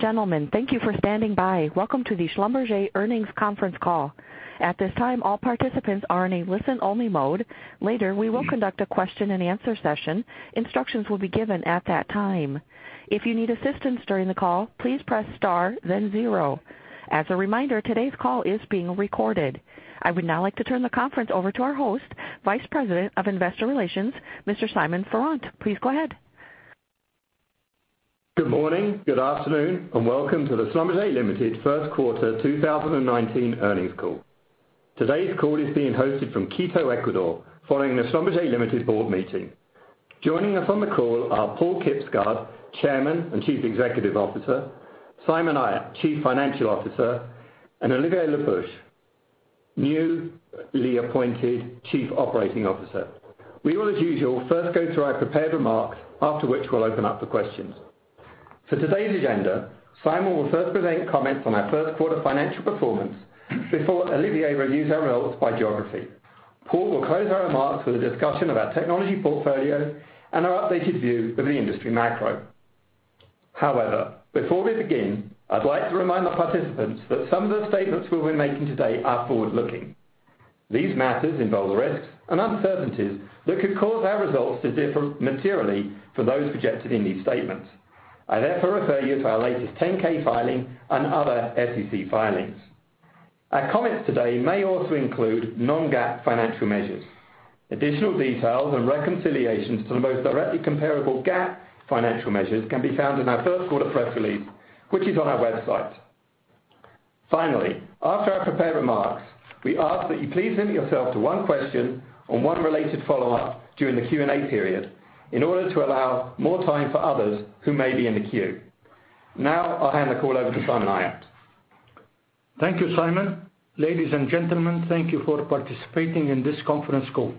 Gentlemen, thank you for standing by. Welcome to the Schlumberger Earnings Conference Call. At this time, all participants are in a listen-only mode. Later, we will conduct a question and answer session. Instructions will be given at that time. If you need assistance during the call, please press star then zero. As a reminder, today's call is being recorded. I would now like to turn the conference over to our host, Vice President of Investor Relations, Mr. Simon Farrant. Please go ahead. Good morning, good afternoon, and welcome to the Schlumberger Limited First Quarter 2019 earnings call. Today's call is being hosted from Quito, Ecuador, following the Schlumberger Limited board meeting. Joining us on the call are Paal Kibsgaard, Chairman and Chief Executive Officer, Simon Ayat, Chief Financial Officer, and Olivier Le Peuch, newly appointed Chief Operating Officer. We will, as usual, first go through our prepared remarks, after which we'll open up the questions. For today's agenda, Simon will first present comments on our first quarter financial performance before Olivier reviews our results by geography. Paal will close our remarks with a discussion of our technology portfolio and our updated view of the industry macro. Before we begin, I'd like to remind the participants that some of the statements we'll be making today are forward-looking. These matters involve risks and uncertainties that could cause our results to differ materially from those projected in these statements. I therefore refer you to our latest 10-K filing and other SEC filings. Our comments today may also include non-GAAP financial measures. Additional details and reconciliations to the most directly comparable GAAP financial measures can be found in our first quarter press release, which is on our website. Finally, after our prepared remarks, we ask that you please limit yourself to one question or one related follow-up during the Q&A period in order to allow more time for others who may be in the queue. I'll hand the call over to Simon Ayat. Thank you, Simon Farrant. Ladies and gentlemen, thank you for participating in this conference call.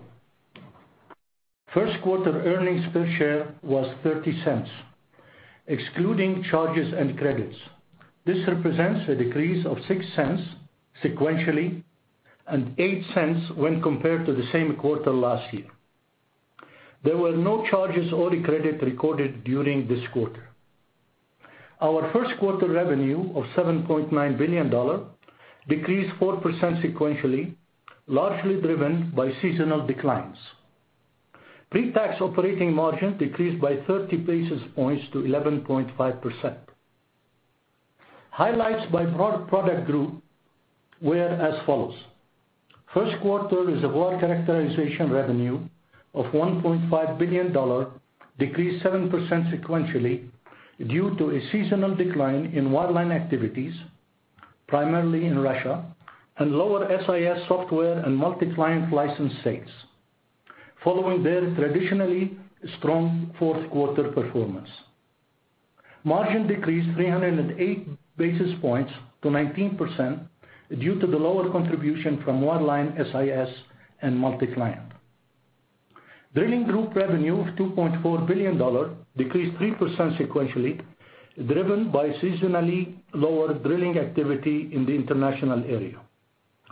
First quarter earnings per share was $0.30, excluding charges and credits. This represents a decrease of $0.06 sequentially and $0.08 when compared to the same quarter last year. There were no charges or credit recorded during this quarter. Our first quarter revenue of $7.9 billion decreased 4% sequentially, largely driven by seasonal declines. Pre-tax operating margin decreased by 30 basis points to 11.5%. Highlights by product group were as follows. First quarter reservoir characterization revenue of $1.5 billion decreased 7% sequentially due to a seasonal decline in land activities, primarily in Russia, and lower SIS software and multi-client license sales, following their traditionally strong fourth quarter performance. Margin decreased 308 basis points to 19% due to the lower contribution from land, SIS, and multi-client. Drilling group revenue of $2.4 billion decreased 3% sequentially, driven by seasonally lower drilling activity in the international area.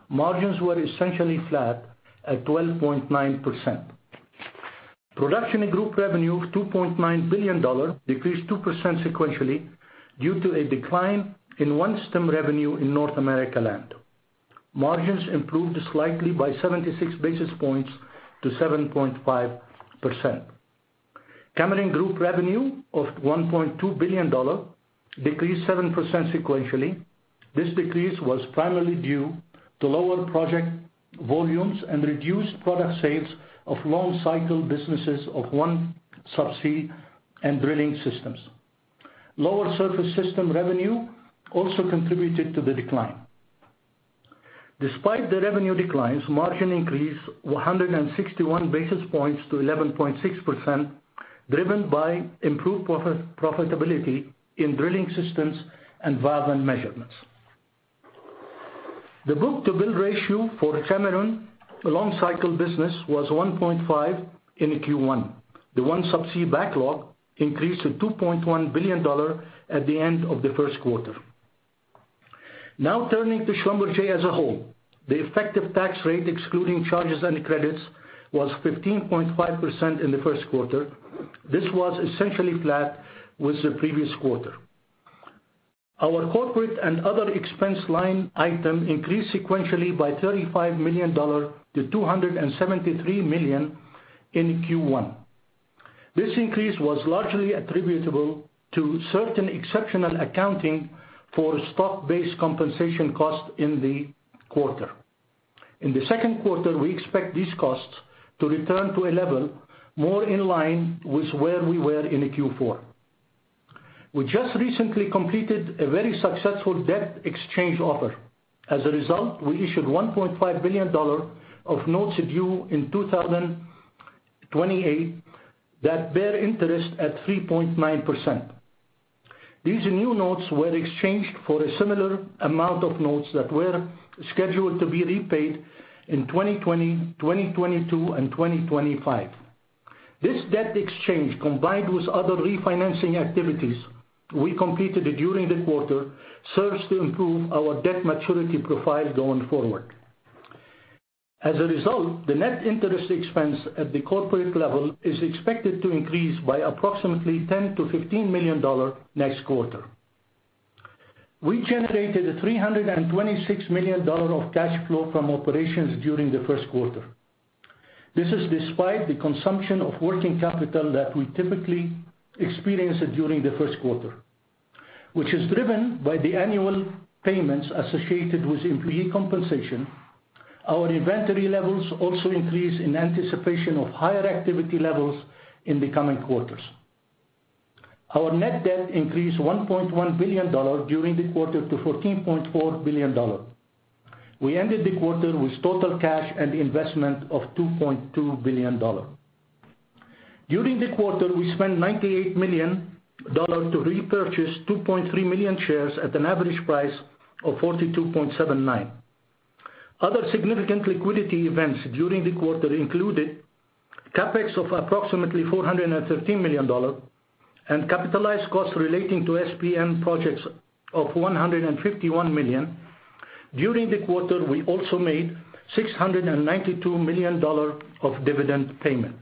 Margins were essentially flat at 12.9%. Production group revenue of $2.9 billion decreased 2% sequentially due to a decline in OneStim revenue in North America land. Margins improved slightly by 76 basis points to 7.5%. Cameron Group revenue of $1.2 billion decreased 7% sequentially. This decrease was primarily due to lower project volumes and reduced product sales of long-cycle businesses of OneSubsea and Drilling Systems. Lower Surface Systems revenue also contributed to the decline. Despite the revenue declines, margin increased 161 basis points to 11.6%, driven by improved profitability in Drilling Systems and Valves & Measurement. The book-to-bill ratio for Cameron long cycle business was 1.5 in Q1. The OneSubsea backlog increased to $2.1 billion at the end of the first quarter. Turning to Schlumberger as a whole. The effective tax rate, excluding charges and credits, was 15.5% in the first quarter. This was essentially flat with the previous quarter. Our corporate and other expense line item increased sequentially by $35 million to $273 million in Q1. This increase was largely attributable to certain exceptional accounting for stock-based compensation costs in the quarter. In the second quarter, we expect these costs to return to a level more in line with where we were in Q4. We just recently completed a very successful debt exchange offer. As a result, we issued $1.5 billion of notes due in 2028 that bear interest at 3.9%. These new notes were exchanged for a similar amount of notes that were scheduled to be repaid in 2020, 2022, and 2025. This debt exchange, combined with other refinancing activities we completed during the quarter, serves to improve our debt maturity profile going forward. The net interest expense at the corporate level is expected to increase by approximately $10 million-$15 million next quarter. We generated $326 million of cash flow from operations during the first quarter. This is despite the consumption of working capital that we typically experience during the first quarter, which is driven by the annual payments associated with employee compensation. Our inventory levels also increase in anticipation of higher activity levels in the coming quarters. Our net debt increased $1.1 billion during the quarter to $14.4 billion. We ended the quarter with total cash and investment of $2.2 billion. During the quarter, we spent $98 million to repurchase 2.3 million shares at an average price of $42.79. Other significant liquidity events during the quarter included CapEx of approximately $413 million and capitalized costs relating to SPM projects of $151 million. During the quarter, we also made $692 million of dividend payment.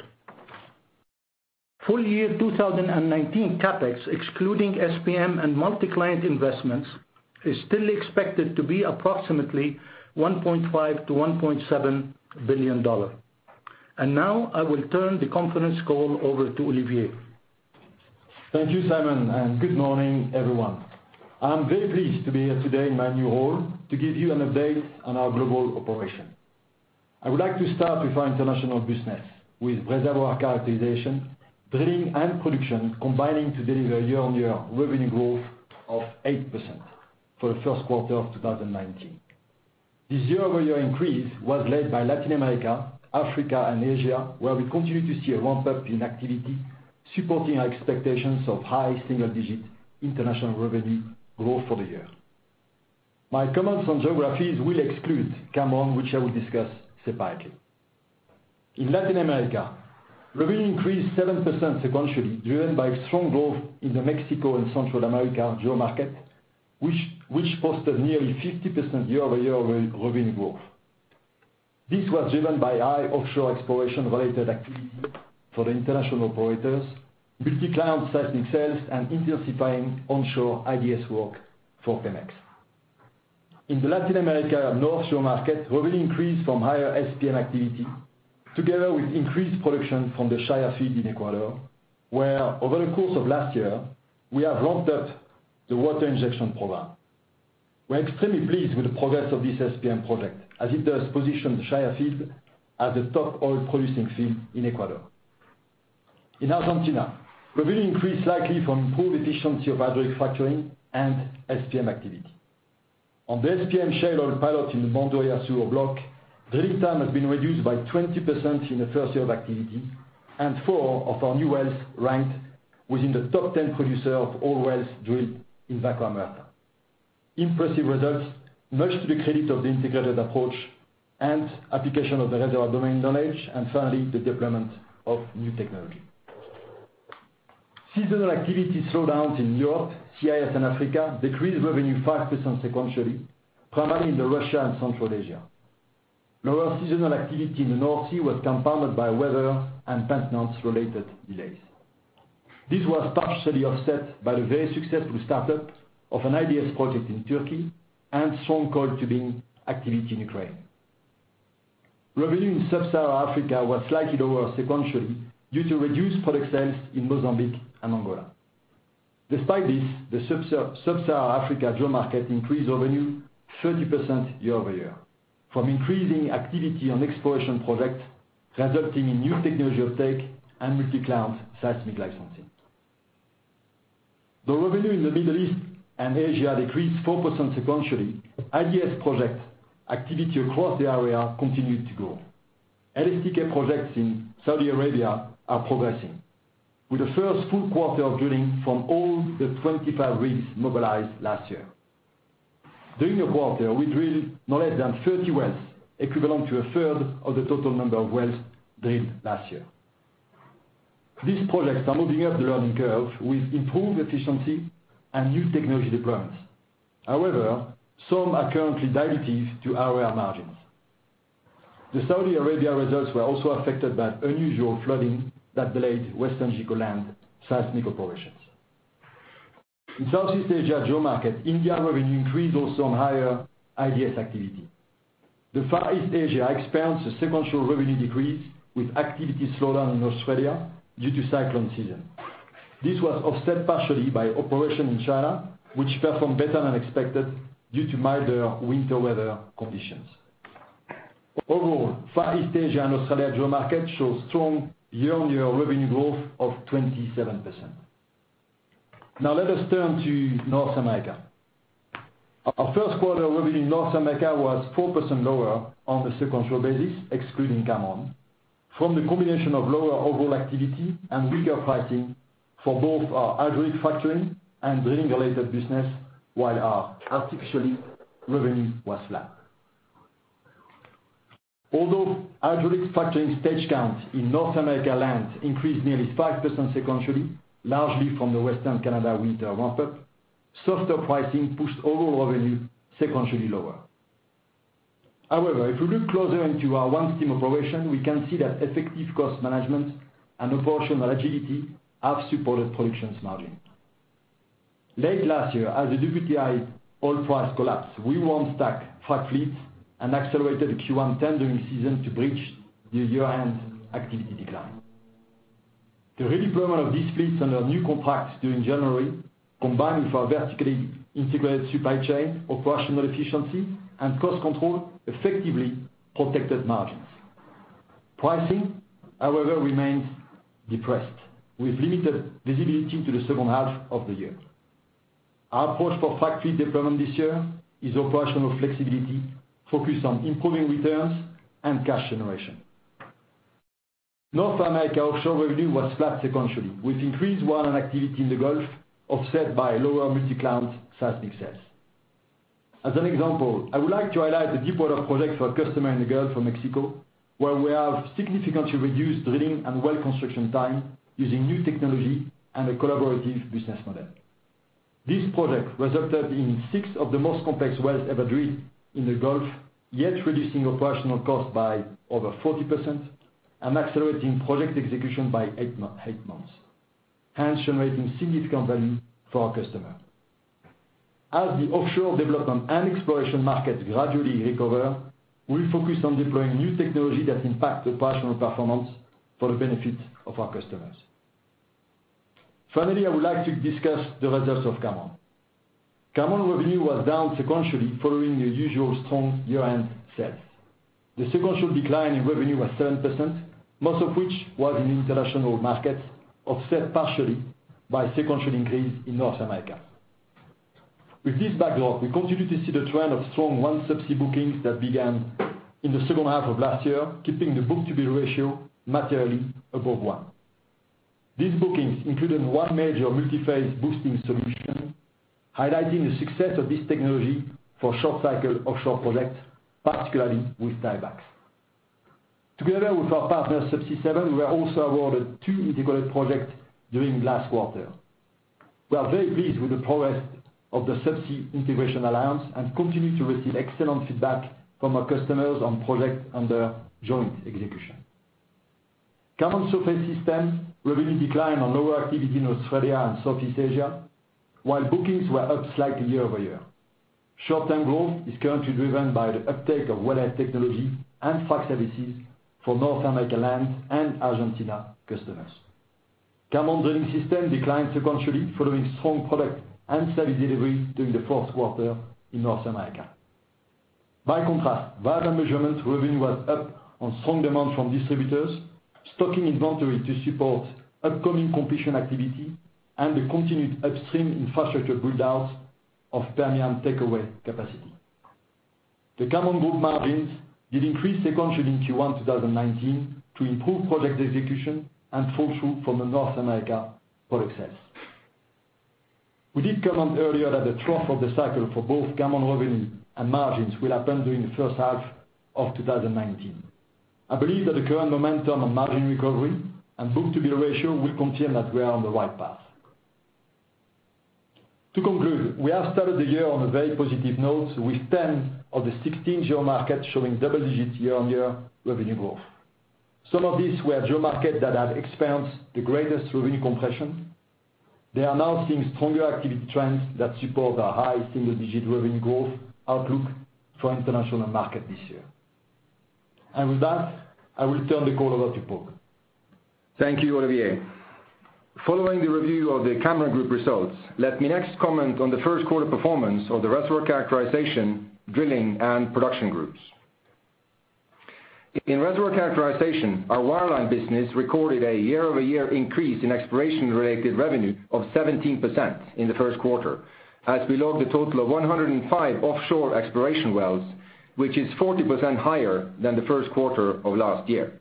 Full year 2019 CapEx, excluding SPM and multi-client seismic investments, is still expected to be approximately $1.5 billion-$1.7 billion. I will turn the conference call over to Olivier. Thank you, Simon, and good morning, everyone. I am very pleased to be here today in my new role to give you an update on our global operation. I would like to start with our international business with reservoir characterization, drilling, and production combining to deliver year-on-year revenue growth of 8% for the first quarter of 2019. This year-over-year increase was led by Latin America, Africa, and Asia, where we continue to see a ramp up in activity supporting our expectations of high single-digit international revenue growth for the year. My comments on geographies will exclude Cameron, which I will discuss separately. In Latin America, revenue increased 7% sequentially, driven by strong growth in the Mexico and Central America GeoMarket, which posted nearly 50% year-over-year revenue growth. This was driven by high offshore exploration-related activity for the international operators, multi-client seismic sales, and intensifying onshore IDS work for Pemex. In the Latin America offshore market, revenue increased from higher SPM activity together with increased production from the Shushufindi field in Ecuador, where over the course of last year, we have ramped up the water injection program. We're extremely pleased with the progress of this SPM project, as it does position the Shushufindi field as the top oil-producing field in Ecuador. In Argentina, revenue increased slightly from improved efficiency of hydraulic fracturing and SPM activity. On the SPM shale oil pilot in the Bandurria block, drilling time has been reduced by 20% in the first year of activity, and four of our new wells ranked within the top 10 producer of oil wells drilled in Vaca Muerta. Impressive results, much to the credit of the integrated approach and application of the reservoir domain knowledge, and finally, the deployment of new technology. Seasonal activity slowdowns in Europe, CIS, and Africa decreased revenue 5% sequentially, primarily in the Russia and Central Asia. Lower seasonal activity in the North Sea was compounded by weather and maintenance-related delays. This was partially offset by the very successful startup of an IDS project in Turkey and strong coal mining activity in Ukraine. Revenue in Sub-Saharan Africa was slightly lower sequentially due to reduced product sales in Mozambique and Angola. Despite this, the Sub-Saharan Africa GeoMarket increased revenue 30% year-over-year from increasing activity on exploration projects, resulting in new technology uptake and multi-client seismic licensing. The revenue in the Middle East and Asia decreased 4% sequentially. IDS project activity across the area continued to grow. LSTK projects in Saudi Arabia are progressing, with the first full quarter of drilling from all the 25 rigs mobilized last year. During the quarter, we drilled no less than 30 wells, equivalent to a third of the total number of wells drilled last year. These projects are moving up the learning curve with improved efficiency and new technology deployments. However, some are currently dilutive to our margins. The Saudi Arabia results were also affected by unusual flooding that delayed WesternGeco land seismic operations. In Southeast Asia GeoMarket, India revenue increased also on higher IDS activity. The Far East Asia experienced a sequential revenue decrease with activity slowdown in Australia due to cyclone season. This was offset partially by operation in China, which performed better than expected due to milder winter weather conditions. Overall, Far East Asia and Australia GeoMarket shows strong year-on-year revenue growth of 27%. Now let us turn to North America. Our first quarter revenue in North America was 4% lower on a sequential basis, excluding Cameron, from the combination of lower overall activity and weaker pricing for both our hydraulic fracturing and drilling-related business, while our artificial lift revenue was flat. Although hydraulic fracturing stage count in North America land increased nearly 5% sequentially, largely from the Western Canada winter ramp-up. Softer pricing pushed overall revenue sequentially lower. If we look closer into our OneStim operation, we can see that effective cost management and operational agility have supported production margins. Late last year, as the WTI oil price collapsed, we warm stacked frac fleets and accelerated the Q1 tendering season to bridge the year-end activity decline. The redeployment of these fleets under new contracts during January, combined with our vertically integrated supply chain, operational efficiency, and cost control, effectively protected margins. Pricing, however, remains depressed, with limited visibility to the second half of the year. Our approach for frac fleet deployment this year is operational flexibility focused on improving returns and cash generation. North America offshore revenue was flat sequentially, with increased well and activity in the Gulf offset by lower multi-client seismic sales. As an example, I would like to highlight the deepwater project for a customer in the Gulf of Mexico, where we have significantly reduced drilling and well construction time using new technology and a collaborative business model. This project resulted in six of the most complex wells ever drilled in the Gulf, yet reducing operational costs by over 40% and accelerating project execution by eight months, generating significant value for our customer. The offshore development and exploration market gradually recover, we focus on deploying new technology that impact operational performance for the benefit of our customers. Finally, I would like to discuss the results of Cameron. Cameron revenue was down sequentially following the usual strong year-end sales. The sequential decline in revenue was 7%, most of which was in international markets, offset partially by sequential increase in North America. With this backlog, we continue to see the trend of strong subsea bookings that began in the second half of last year, keeping the book-to-bill ratio materially above one. These bookings included one major multi-phase boosting solution, highlighting the success of this technology for short cycle offshore projects, particularly with tiebacks. Together with our partner, Subsea 7, we were also awarded two integrated projects during last quarter. We are very pleased with the progress of the Subsea Integration Alliance and continue to receive excellent feedback from our customers on projects under joint execution. Cameron Surface Systems revenue declined on lower activity in Australia and Southeast Asia, while bookings were up slightly year-over-year. Short-term growth is currently driven by the uptake of wellhead technology and frac services for North America land and Argentina customers. Cameron Drilling Systems declined sequentially following strong product and service delivery during the fourth quarter in North America. By contrast, Valves & Measurement revenue was up on strong demand from distributors stocking inventory to support upcoming completion activity and the continued upstream infrastructure build-out of Permian takeaway capacity. The Cameron Group margins did increase sequentially in Q1 2019 to improve project execution and flow-through from the North America product sales. We did comment earlier that the trough of the cycle for both Cameron revenue and margins will happen during the first half of 2019. I believe that the current momentum on margin recovery and book-to-bill ratio will confirm that we are on the right path. To conclude, we have started the year on a very positive note with 10 of the 16 GeoMarkets showing double-digit year-on-year revenue growth. Some of these were GeoMarkets that have experienced the greatest revenue compression. They are now seeing stronger activity trends that support our high single-digit revenue growth outlook for international market this year. With that, I will turn the call over to Paal. Thank you, Olivier. Following the review of the Cameron Group results, let me next comment on the first quarter performance of the Reservoir Characterization, Drilling, and Production groups. In Reservoir Characterization, our wireline business recorded a year-over-year increase in exploration-related revenue of 17% in the first quarter, as we logged a total of 105 offshore exploration wells, which is 40% higher than the first quarter of last year.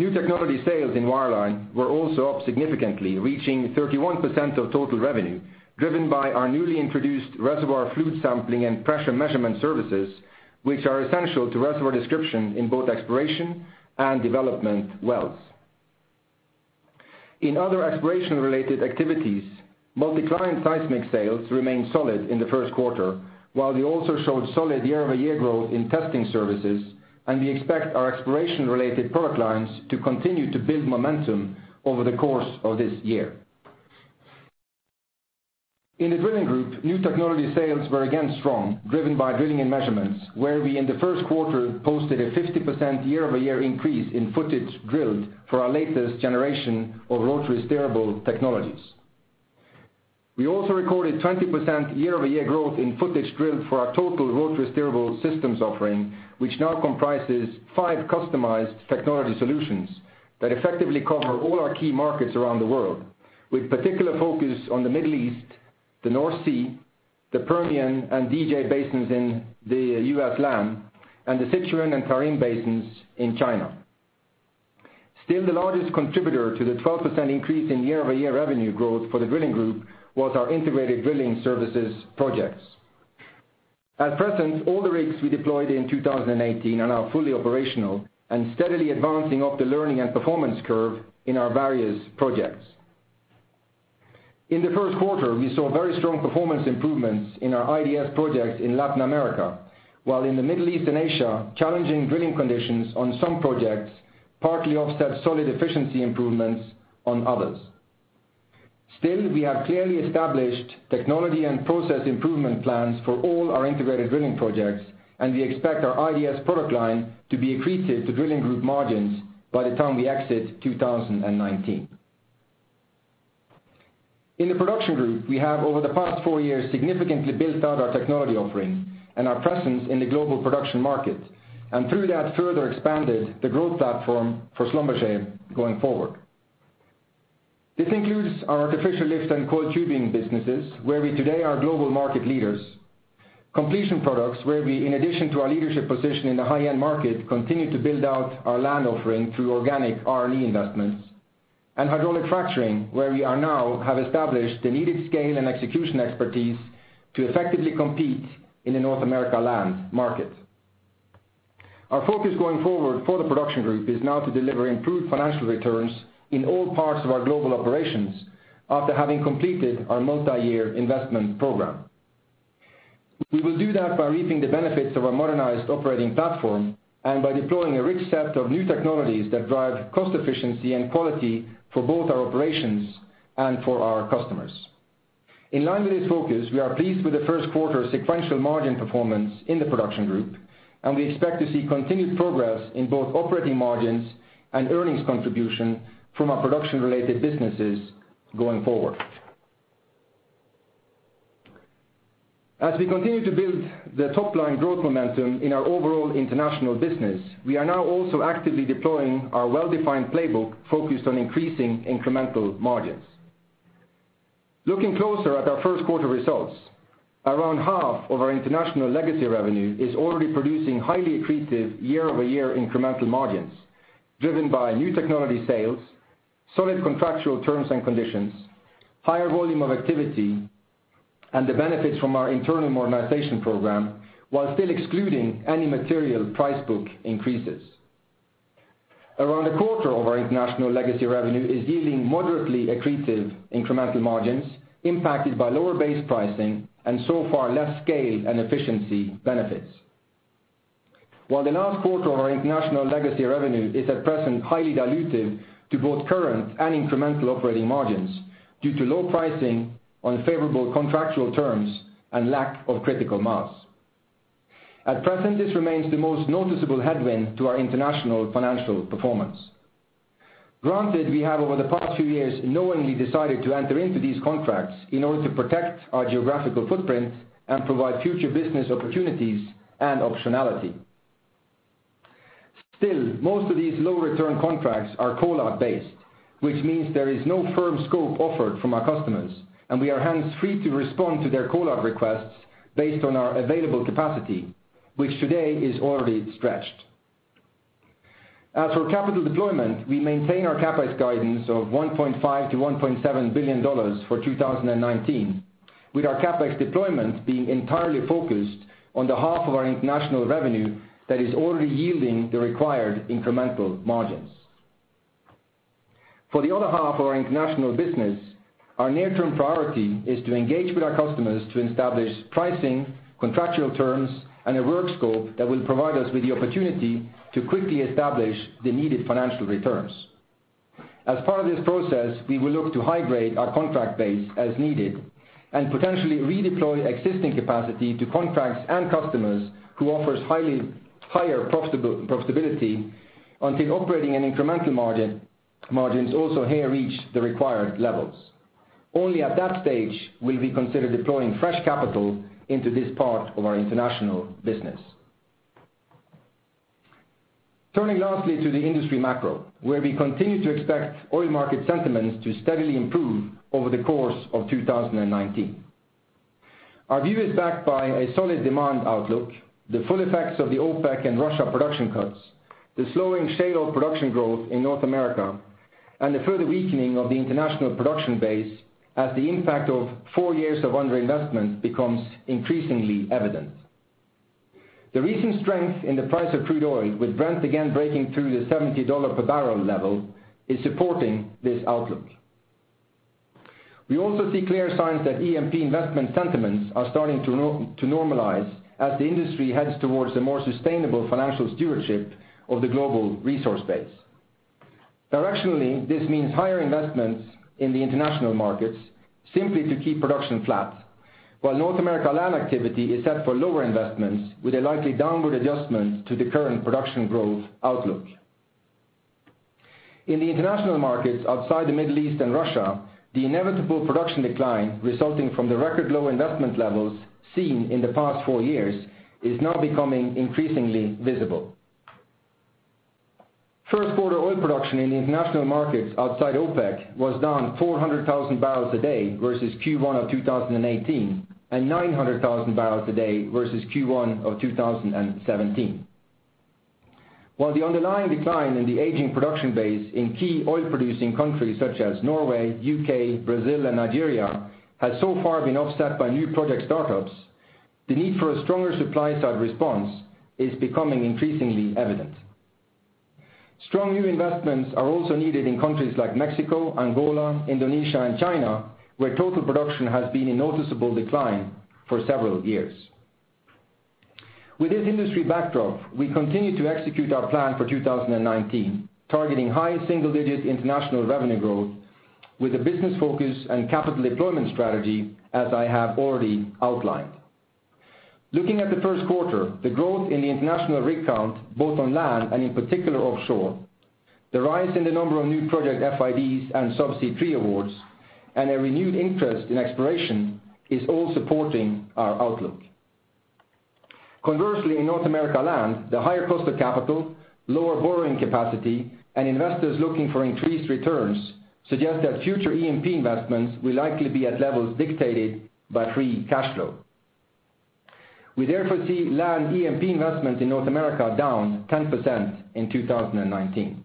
New technology sales in wireline were also up significantly, reaching 31% of total revenue, driven by our newly introduced reservoir fluid sampling and pressure measurement services, which are essential to reservoir description in both exploration and development wells. In other exploration-related activities, multi-client seismic sales remained solid in the first quarter, while we also showed solid year-over-year growth in testing services. We expect our exploration-related product lines to continue to build momentum over the course of this year. In the Drilling group, new technology sales were again strong, driven by drilling and measurements, where we in the first quarter posted a 50% year-over-year increase in footage drilled for our latest generation of rotary steerable technologies. We also recorded 20% year-over-year growth in footage drilled for our total rotary steerable systems offering, which now comprises five customized technology solutions that effectively cover all our key markets around the world, with particular focus on the Middle East, the North Sea, the Permian and DJ basins in the U.S. land, and the Sichuan and Tarim basins in China. Still the largest contributor to the 12% increase in year-over-year revenue growth for the Drilling group was our integrated drilling services projects. At present, all the rigs we deployed in 2018 are now fully operational and steadily advancing up the learning and performance curve in our various projects. In the first quarter, we saw very strong performance improvements in our IDS projects in Latin America, while in the Middle East and Asia, challenging drilling conditions on some projects partly offset solid efficiency improvements on others. Still, we have clearly established technology and process improvement plans for all our integrated drilling projects, and we expect our IDS product line to be accretive to drilling group margins by the time we exit 2019. In the production group, we have, over the past four years, significantly built out our technology offerings and our presence in the global production market. Through that, further expanded the growth platform for Schlumberger going forward. This includes our artificial lifts and coiled tubing businesses, where we today are global market leaders. Completion products, where we, in addition to our leadership position in the high-end market, continue to build out our land offering through organic R&E investments. Hydraulic fracturing, where we now have established the needed scale and execution expertise to effectively compete in the North America land market. Our focus going forward for the production group is now to deliver improved financial returns in all parts of our global operations after having completed our multi-year investment program. We will do that by reaping the benefits of our modernized operating platform and by deploying a rich set of new technologies that drive cost efficiency and quality for both our operations and for our customers. In line with this focus, we are pleased with the first quarter sequential margin performance in the production group, and we expect to see continued progress in both operating margins and earnings contribution from our production-related businesses going forward. As we continue to build the top-line growth momentum in our overall international business, we are now also actively deploying our well-defined playbook focused on increasing incremental margins. Looking closer at our first quarter results, around half of our international legacy revenue is already producing highly accretive year-over-year incremental margins, driven by new technology sales, solid contractual terms and conditions, higher volume of activity, and the benefits from our internal modernization program, while still excluding any material price book increases. Around a quarter of our international legacy revenue is yielding moderately accretive incremental margins impacted by lower base pricing and so far less scale and efficiency benefits. While the last quarter of our international legacy revenue is at present highly dilutive to both current and incremental operating margins due to low pricing, unfavorable contractual terms, and lack of critical mass. At present, this remains the most noticeable headwind to our international financial performance. Granted, we have over the past few years knowingly decided to enter into these contracts in order to protect our geographical footprint and provide future business opportunities and optionality. Most of these low-return contracts are call-out based, which means there is no firm scope offered from our customers, and we are hands-free to respond to their call-out requests based on our available capacity, which today is already stretched. As for capital deployment, we maintain our CapEx guidance of $1.5 billion-$1.7 billion for 2019, with our CapEx deployment being entirely focused on the half of our international revenue that is already yielding the required incremental margins. For the other half of our international business, our near-term priority is to engage with our customers to establish pricing, contractual terms, and a work scope that will provide us with the opportunity to quickly establish the needed financial returns. As part of this process, we will look to high grade our contract base as needed and potentially redeploy existing capacity to contracts and customers who offer higher profitability until operating and incremental margins also here reach the required levels. Only at that stage will we consider deploying fresh capital into this part of our international business. Turning lastly to the industry macro, where we continue to expect oil market sentiments to steadily improve over the course of 2019. Our view is backed by a solid demand outlook, the full effects of the OPEC and Russia production cuts, the slowing shale oil production growth in North America, and the further weakening of the international production base as the impact of four years of underinvestment becomes increasingly evident. The recent strength in the price of crude oil, with Brent again breaking through the $70 per barrel level, is supporting this outlook. We also see clear signs that E&P investment sentiments are starting to normalize as the industry heads towards a more sustainable financial stewardship of the global resource base. Directionally, this means higher investments in the international markets simply to keep production flat, while North America land activity is set for lower investments with a likely downward adjustment to the current production growth outlook. In the international markets outside the Middle East and Russia, the inevitable production decline resulting from the record low investment levels seen in the past four years is now becoming increasingly visible. First quarter oil production in the international markets outside OPEC was down 400,000 barrels a day versus Q1 of 2018, and 900,000 barrels a day versus Q1 of 2017. While the underlying decline in the aging production base in key oil-producing countries such as Norway, U.K., Brazil, and Nigeria has so far been offset by new project startups, the need for a stronger supply-side response is becoming increasingly evident. Strong new investments are also needed in countries like Mexico, Angola, Indonesia, and China, where total production has been in noticeable decline for several years. With this industry backdrop, we continue to execute our plan for 2019, targeting high single-digit international revenue growth with a business focus and capital deployment strategy, as I have already outlined. Looking at the first quarter, the growth in the international rig count, both on land and in particular offshore, the rise in the number of new project FIDs and subsea tree awards, and a renewed interest in exploration is all supporting our outlook. Conversely, in North America land, the higher cost of capital, lower borrowing capacity, and investors looking for increased returns suggest that future E&P investments will likely be at levels dictated by free cash flow. We therefore see land E&P investments in North America down 10% in 2019.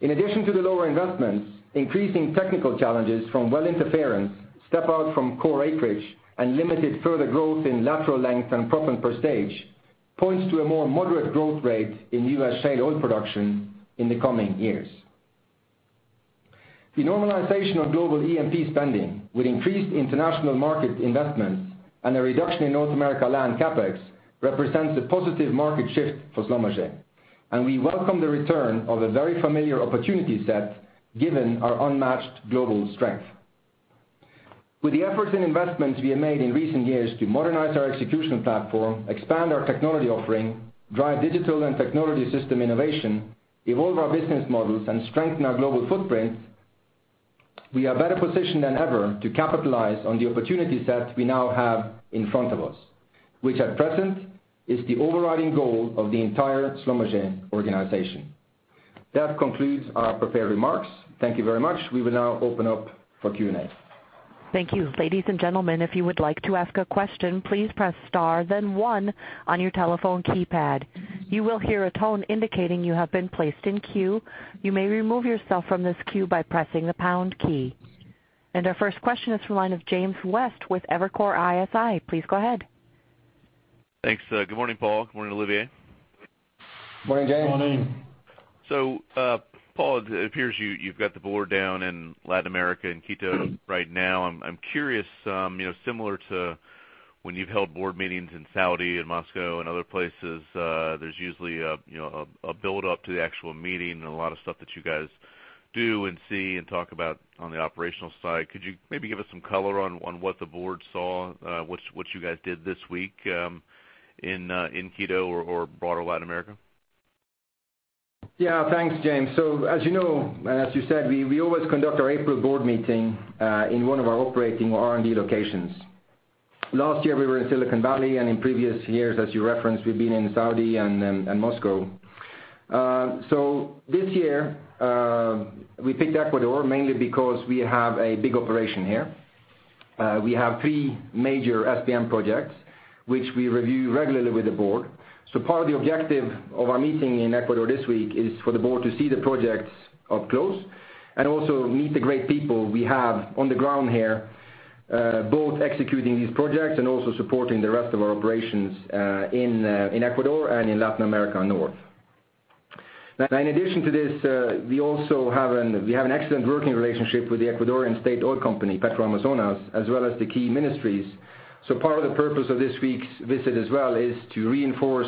In addition to the lower investments, increasing technical challenges from well interference, step out from core acreage, and limited further growth in lateral length and proppant per stage points to a more moderate growth rate in U.S. shale oil production in the coming years. The normalization of global E&P spending, with increased international market investments and a reduction in North America land CapEx, represents a positive market shift for Schlumberger, and we welcome the return of a very familiar opportunity set given our unmatched global strength. With the efforts and investments we have made in recent years to modernize our execution platform, expand our technology offering, drive digital and technology system innovation, evolve our business models, and strengthen our global footprint, we are better positioned than ever to capitalize on the opportunity set we now have in front of us, which at present is the overriding goal of the entire Schlumberger organization. That concludes our prepared remarks. Thank you very much. We will now open up for Q&A. Thank you. Ladies and gentlemen, if you would like to ask a question, please press star, then one on your telephone keypad. You will hear a tone indicating you have been placed in queue. You may remove yourself from this queue by pressing the pound key. Our first question is from the line of James West with Evercore ISI. Please go ahead. Thanks. Good morning, Paal. Good morning, Olivier. Morning, James. Good morning. Paal, it appears you've got the board down in Latin America, in Quito right now. I'm curious, similar to when you've held board meetings in Saudi and Moscow and other places, there's usually a build-up to the actual meeting and a lot of stuff that you guys do and see and talk about on the operational side. Could you maybe give us some color on what the board saw, what you guys did this week in Quito or broader Latin America? Thanks, James. As you know, and as you said, we always conduct our April board meeting in one of our operating or R&D locations. Last year, we were in Silicon Valley, and in previous years, as you referenced, we've been in Saudi and Moscow. This year, we picked Ecuador mainly because we have a big operation here. We have three major SPM projects, which we review regularly with the board. Part of the objective of our meeting in Ecuador this week is for the board to see the projects up close and also meet the great people we have on the ground here, both executing these projects and also supporting the rest of our operations in Ecuador and in Latin America North. In addition to this, we have an excellent working relationship with the Ecuadorian state oil company, Petroamazonas, as well as the key ministries. Part of the purpose of this week's visit as well is to reinforce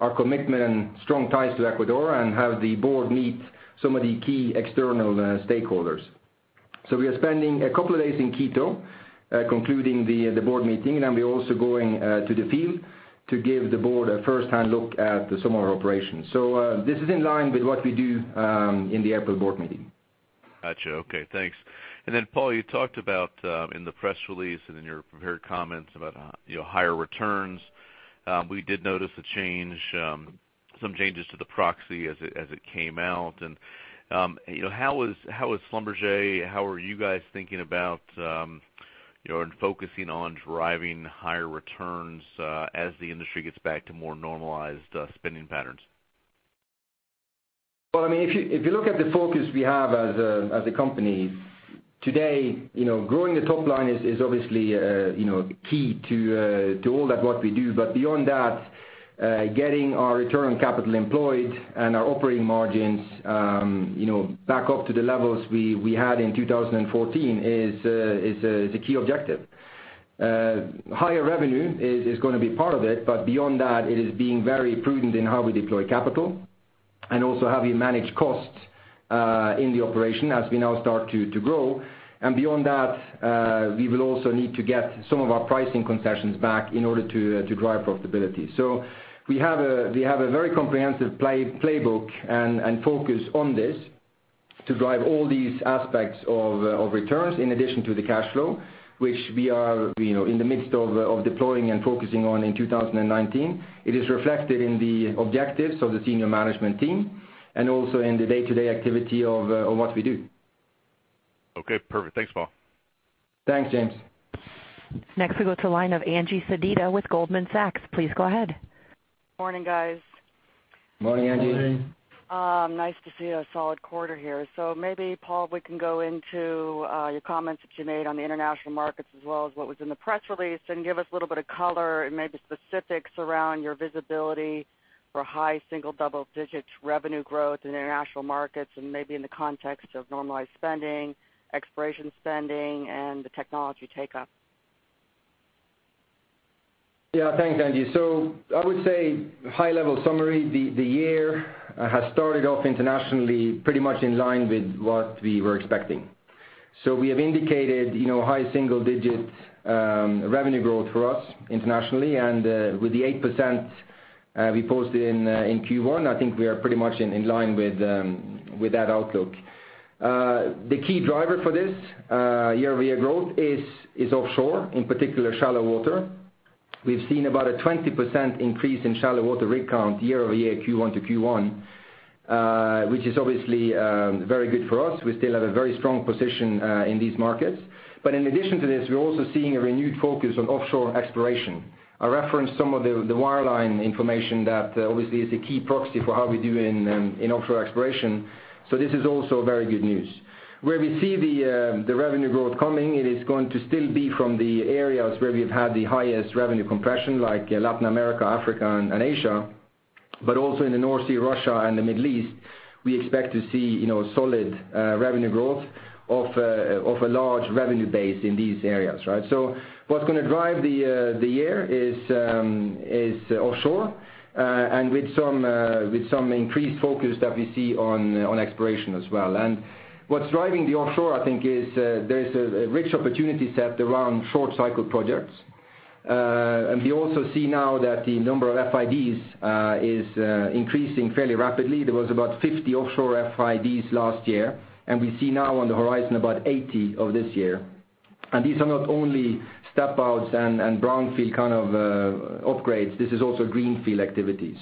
our commitment and strong ties to Ecuador and have the board meet some of the key external stakeholders. We are spending a couple of days in Quito concluding the board meeting, and we're also going to the field to give the board a first-hand look at some of our operations. This is in line with what we do in the April board meeting. Got you. Okay, thanks. Paal, you talked about in the press release and in your prepared comments about higher returns. We did notice some changes to the proxy as it came out. How is Schlumberger, how are you guys thinking about and focusing on driving higher returns as the industry gets back to more normalized spending patterns? Well, if you look at the focus we have as a company today, growing the top line is obviously key to all that what we do. Beyond that, getting our return on capital employed and our operating margins back up to the levels we had in 2014 is a key objective. Higher revenue is going to be part of it, but beyond that, it is being very prudent in how we deploy capital and also how we manage costs in the operation as we now start to grow. Beyond that, we will also need to get some of our pricing concessions back in order to drive profitability. We have a very comprehensive playbook and focus on this to drive all these aspects of returns in addition to the cash flow, which we are in the midst of deploying and focusing on in 2019. It is reflected in the objectives of the senior management team and also in the day-to-day activity of what we do. Okay, perfect. Thanks, Paal. Thanks, James. Next we go to the line of Angeline Sedita with Goldman Sachs. Please go ahead. Morning, guys. Morning, Angie. Morning. Nice to see a solid quarter here. Maybe, Paal, we can go into your comments that you made on the international markets as well as what was in the press release, and give us a little bit of color and maybe specifics around your visibility for high single-digit revenue growth in international markets, and maybe in the context of normalized spending, exploration spending, and the technology take-up. Yeah. Thanks, Angie. I would say high-level summary, the year has started off internationally pretty much in line with what we were expecting. We have indicated high single-digit revenue growth for us internationally. With the 8% we posted in Q1, I think we are pretty much in line with that outlook. The key driver for this year-over-year growth is offshore, in particular shallow water. We've seen about a 20% increase in shallow water rig count year-over-year Q1 to Q1, which is obviously very good for us. We still have a very strong position in these markets. In addition to this, we're also seeing a renewed focus on offshore exploration. I referenced some of the wireline information that obviously is a key proxy for how we do in offshore exploration. This is also very good news. Where we see the revenue growth coming, it is going to still be from the areas where we've had the highest revenue compression, like Latin America, Africa, and Asia, but also in the North Sea, Russia, and the Middle East. We expect to see solid revenue growth of a large revenue base in these areas, right? What's going to drive the year is offshore, and with some increased focus that we see on exploration as well. What's driving the offshore, I think, is there is a rich opportunity set around short-cycle projects. We also see now that the number of FIDs is increasing fairly rapidly. There was about 50 offshore FIDs last year, and we see now on the horizon about 80 of this year. These are not only step outs and brownfield kind of upgrades, this is also greenfield activity.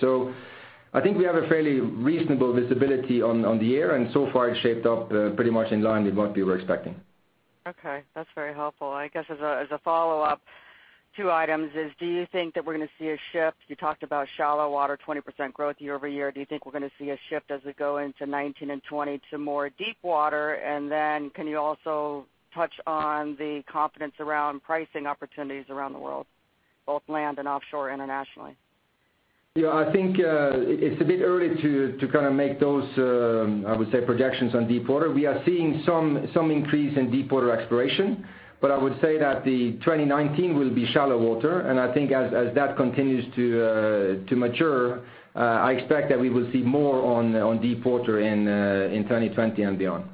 I think we have a fairly reasonable visibility on the year, and so far it's shaped up pretty much in line with what we were expecting. Okay. That's very helpful. I guess as a follow-up, 2 items is do you think that we're going to see a shift? You talked about shallow water, 20% growth year-over-year. Do you think we're going to see a shift as we go into 2019 and 2020 to more deep water? Can you also touch on the confidence around pricing opportunities around the world, both land and offshore internationally? Yeah, I think it's a bit early to kind of make those, I would say, projections on deep water. We are seeing some increase in deep water exploration. I would say that the 2019 will be shallow water, and I think as that continues to mature, I expect that we will see more on deep water in 2020 and beyond.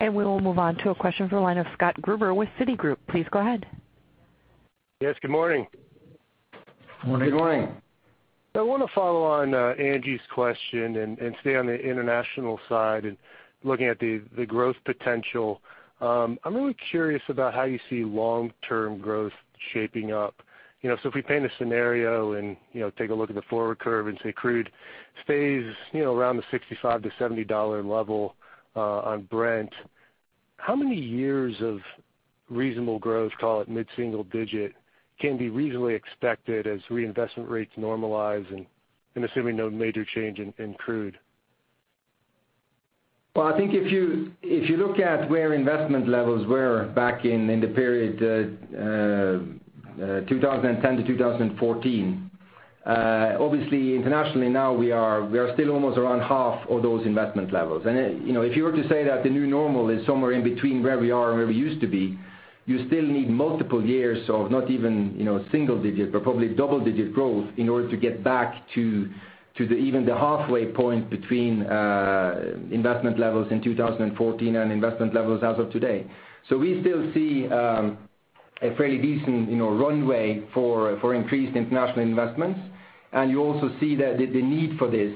We will move on to a question from the line of Scott Gruber with Citigroup. Please go ahead. Yes, good morning. Morning. Good morning. I want to follow on Angie's question and stay on the international side and looking at the growth potential. I am really curious about how you see long-term growth shaping up. If we paint a scenario and take a look at the forward curve and say crude stays around the $65-$70 level on Brent, how many years of reasonable growth, call it mid-single digit, can be reasonably expected as reinvestment rates normalize and assuming no major change in crude? Well, I think if you look at where investment levels were back in the period 2010 to 2014, obviously internationally now we are still almost around half of those investment levels. If you were to say that the new normal is somewhere in between where we are and where we used to be, you still need multiple years of not even single digit, but probably double-digit growth in order to get back to even the halfway point between investment levels in 2014 and investment levels as of today. We still see a fairly decent runway for increased international investments. You also see that the need for this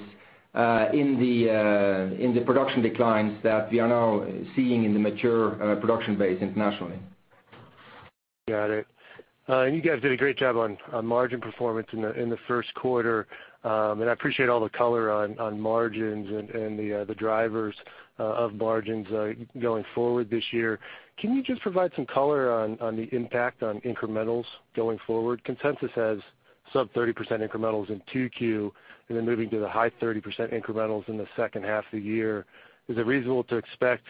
in the production declines that we are now seeing in the mature production base internationally. Got it. You guys did a great job on margin performance in the first quarter. I appreciate all the color on margins and the drivers of margins going forward this year. Can you just provide some color on the impact on incrementals going forward? Consensus has sub 30% incrementals in 2Q, and then moving to the high 30% incrementals in the second half of the year. Is it reasonable to expect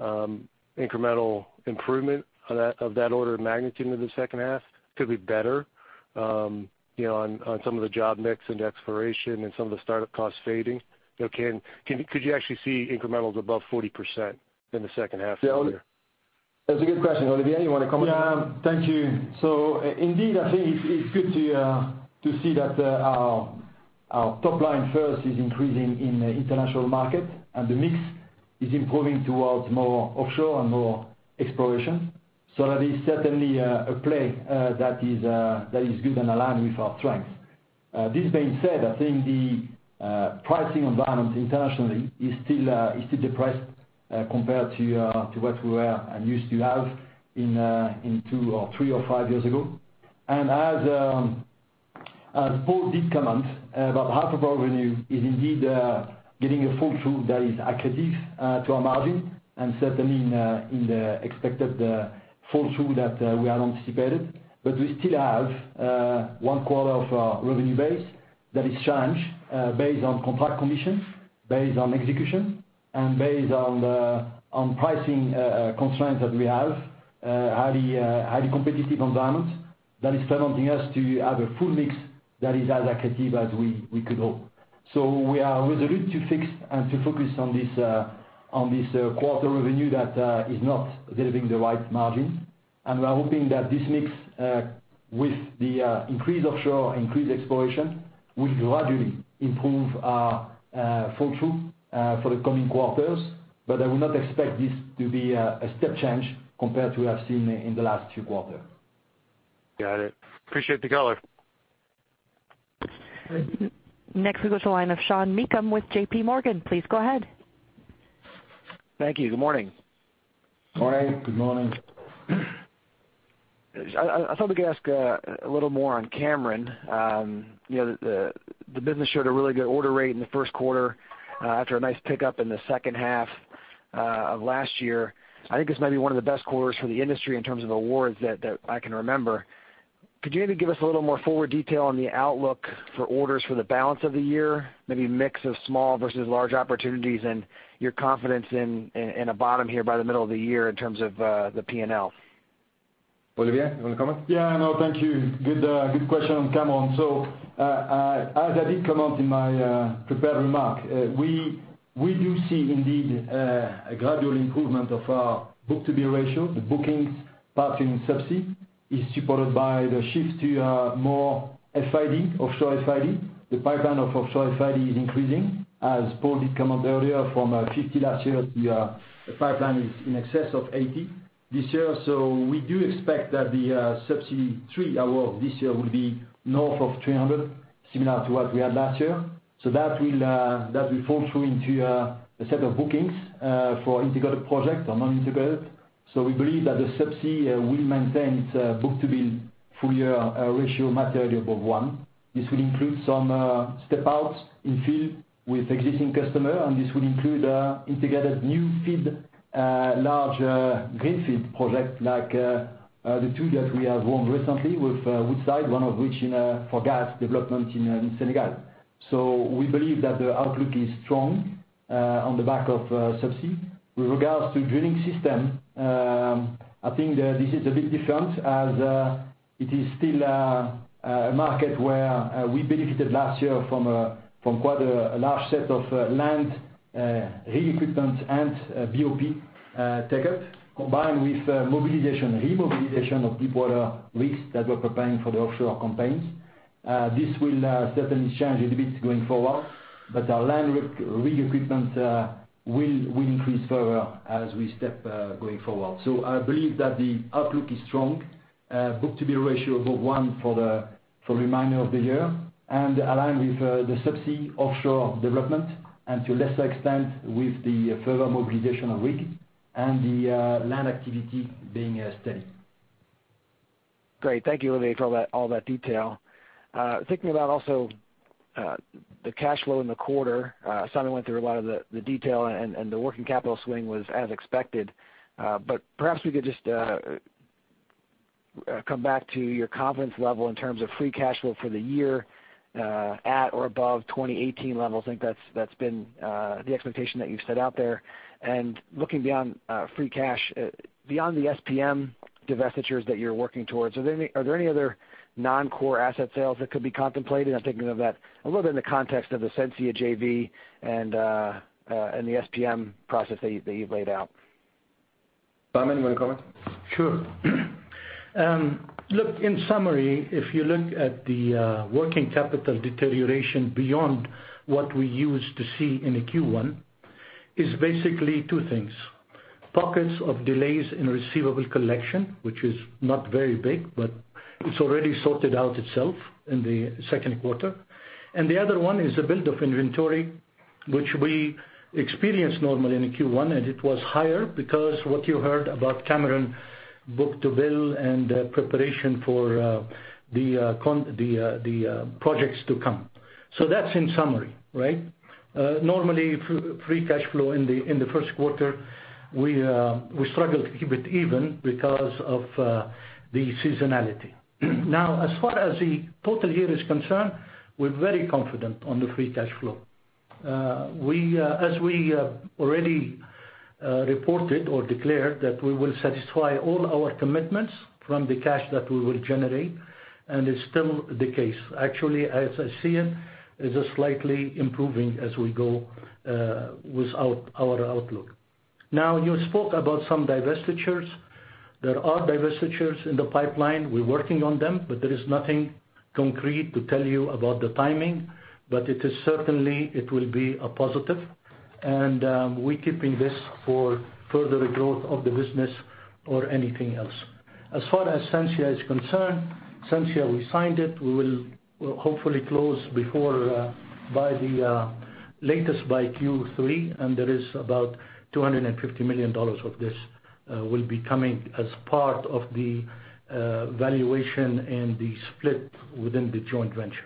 incremental improvement of that order of magnitude in the second half? Could be better on some of the job mix into exploration and some of the startup costs fading? Could you actually see incrementals above 40% in the second half of the year? That's a good question. Olivier, you want to comment? Yeah. Thank you. Indeed, I think it's good to see that our top line first is increasing in the international market, the mix is improving towards more offshore and more exploration. That is certainly a play that is good and aligned with our strengths. This being said, I think the pricing environment internationally is still depressed compared to what we were and used to have two or three or five years ago. As Paal did comment, about half of our revenue is indeed getting a full through that is accretive to our margin and certainly in the expected full through that we had anticipated. We still have one quarter of our revenue base that is challenged based on contract conditions, based on execution, and based on pricing constraints that we have, highly competitive environment that is preventing us to have a full mix that is as accretive as we could hope. We are resolute to fix and to focus on this quarter revenue that is not delivering the right margin. We are hoping that this mix with the increased offshore, increased exploration, will gradually improve our full through for the coming quarters. I would not expect this to be a step change compared to what I've seen in the last two quarters. Got it. Appreciate the color. Next we go to the line of Sean Meakim with J.P. Morgan. Please go ahead. Thank you. Good morning. Morning. Good morning. I thought we could ask a little more on Cameron. The business showed a really good order rate in the first quarter after a nice pickup in the second half of last year. I think this might be one of the best quarters for the industry in terms of awards that I can remember. Could you maybe give us a little more forward detail on the outlook for orders for the balance of the year, maybe mix of small versus large opportunities and your confidence in a bottom here by the middle of the year in terms of the P&L? Olivier, you want to comment? Yeah, no, thank you. Good question on Cameron. As I did comment in my prepared remark, we do see indeed a gradual improvement of our book-to-bill ratio. The bookings, particularly in Subsea, is supported by the shift to more FID, offshore FID. The pipeline of offshore FID is increasing. As Paal did comment earlier, from 50 last year to the pipeline is in excess of 80 this year. We do expect that the subsea tree award this year will be north of 300, similar to what we had last year. That will fall through into a set of bookings for integrated project or non-integrated. We believe that the Subsea will maintain its book-to-bill full year ratio materially above 1. This will include some step outs in field with existing customer, and this will include integrated new field, large greenfield project, like the two that we have won recently with Woodside, one of which for gas development in Senegal. We believe that the outlook is strong on the back of Subsea. With regards to Drilling Systems, I think that this is a bit different as it is still a market where we benefited last year from quite a large set of land re-equipment and BOP take up, combined with mobilization, re-mobilization of deepwater rigs that were preparing for the offshore campaigns. This will certainly change a little bit going forward, but our land rig re-equipment will increase further as we step going forward. I believe that the outlook is strong. Book-to-bill ratio above 1 for the remainder of the year, aligned with the Subsea offshore development and to lesser extent with the further mobilization of rig and the land activity being steady. Great. Thank you, Olivier, for all that detail. Thinking about also the cash flow in the quarter. Simon went through a lot of the detail and the working capital swing was as expected. Perhaps we could just come back to your confidence level in terms of free cash flow for the year at or above 2018 levels. I think that's been the expectation that you've set out there. Looking beyond free cash, beyond the SPM divestitures that you're working towards, are there any other non-core asset sales that could be contemplated? I'm thinking of that a little bit in the context of the Sensia JV and the SPM process that you've laid out. Simon, you want to comment? Sure. Look, in summary, if you look at the working capital deterioration beyond what we used to see in a Q1, is basically two things. Pockets of delays in receivable collection, which is not very big, but it's already sorted out itself in the second quarter. The other one is the build of inventory, which we experience normally in Q1, and it was higher because what you heard about Cameron book-to-bill and preparation for the projects to come. That's in summary. Normally, free cash flow in the first quarter, we struggle to keep it even because of the seasonality. As far as the total year is concerned, we're very confident on the free cash flow. As we already reported or declared that we will satisfy all our commitments from the cash that we will generate, and it's still the case. Actually, as I see it, is slightly improving as we go with our outlook. You spoke about some divestitures. There are divestitures in the pipeline. We're working on them, but there is nothing concrete to tell you about the timing, but it is certainly it will be a positive. We keeping this for further growth of the business or anything else. As far as Sensia is concerned, Sensia, we signed it. We will hopefully close before by the latest by Q3, and there is about $250 million of this will be coming as part of the valuation and the split within the joint venture.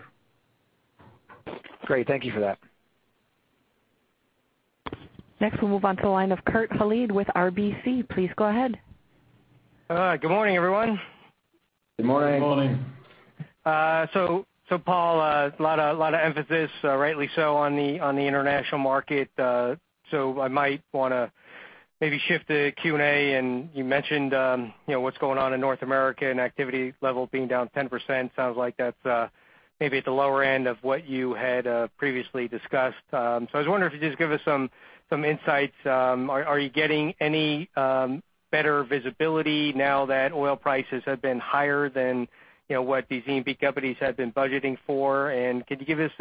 Great. Thank you for that. Next, we'll move on to the line of Kurt Hallead with RBC. Please go ahead. All right. Good morning, everyone. Good morning. Good morning. Paal, a lot of emphasis, rightly so, on the international market. I might want to maybe shift the Q&A, and you mentioned what's going on in North America and activity level being down 10%. Sounds like that's maybe at the lower end of what you had previously discussed. I was wondering if you could just give us some insights. Are you getting any better visibility now that oil prices have been higher than what these E&P companies have been budgeting for? And could you give us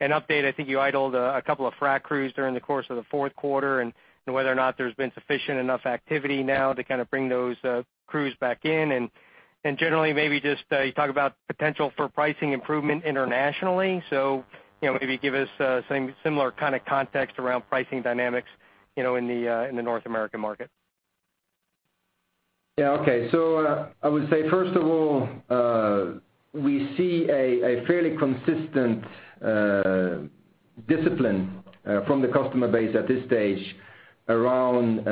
an update? I think you idled a couple of frac crews during the course of the fourth quarter, and whether or not there's been sufficient enough activity now to kind of bring those crews back in, and generally maybe just talk about potential for pricing improvement internationally. Maybe give us some similar kind of context around pricing dynamics in the North American market. I would say, first of all, we see a fairly consistent discipline from the customer base at this stage around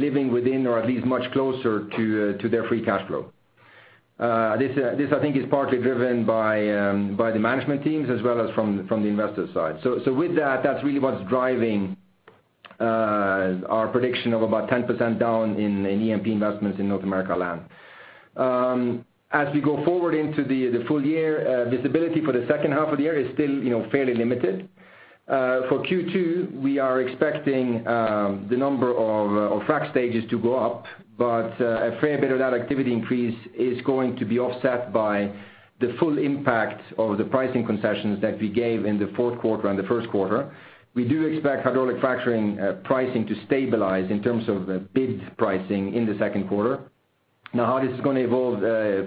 living within or at least much closer to their free cash flow. This, I think is partly driven by the management teams as well as from the investor side. With that's really what's driving our prediction of about 10% down in E&P investments in North America land. As we go forward into the full year, visibility for the second half of the year is still fairly limited. For Q2, we are expecting the number of frac stages to go up, but a fair bit of that activity increase is going to be offset by the full impact of the pricing concessions that we gave in the fourth quarter and the first quarter. We do expect hydraulic fracturing pricing to stabilize in terms of bid pricing in the second quarter. How this is going to evolve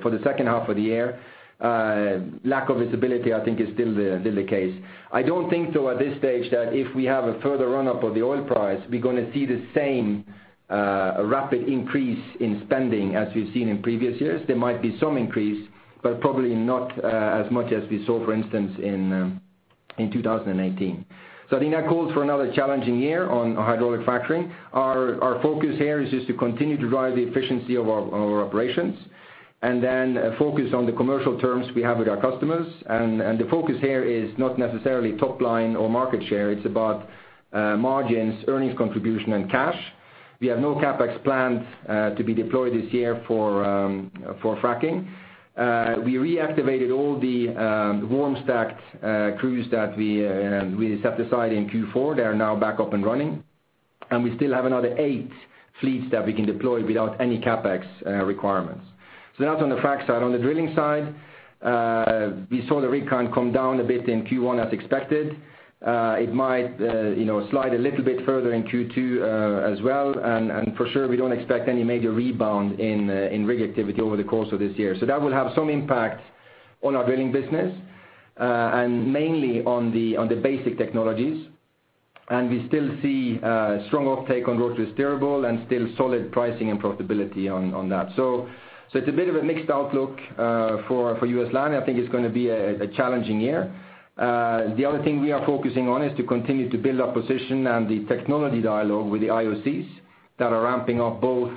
for the second half of the year, lack of visibility, I think is still the case. I don't think, though, at this stage that if we have a further run-up of the oil price, we're going to see the same rapid increase in spending as we've seen in previous years. There might be some increase, but probably not as much as we saw, for instance, in 2018. I think that calls for another challenging year on hydraulic fracturing. Our focus here is just to continue to drive the efficiency of our operations and then focus on the commercial terms we have with our customers. The focus here is not necessarily top line or market share. It's about margins, earnings contribution, and cash. We have no CapEx plans to be deployed this year for fracking. We reactivated all the warm stacked crews that we set aside in Q4. They are now back up and running, we still have another eight fleets that we can deploy without any CapEx requirements. That's on the frac side. On the drilling side, we saw the rig count come down a bit in Q1 as expected. It might slide a little bit further in Q2 as well. For sure, we don't expect any major rebound in rig activity over the course of this year. That will have some impact on our drilling business, and mainly on the basic technologies. We still see strong offtake on rotary steerable and still solid pricing and profitability on that. It's a bit of a mixed outlook for U.S. land. I think it's going to be a challenging year. The other thing we are focusing on is to continue to build our position and the technology dialogue with the IOCs that are ramping up both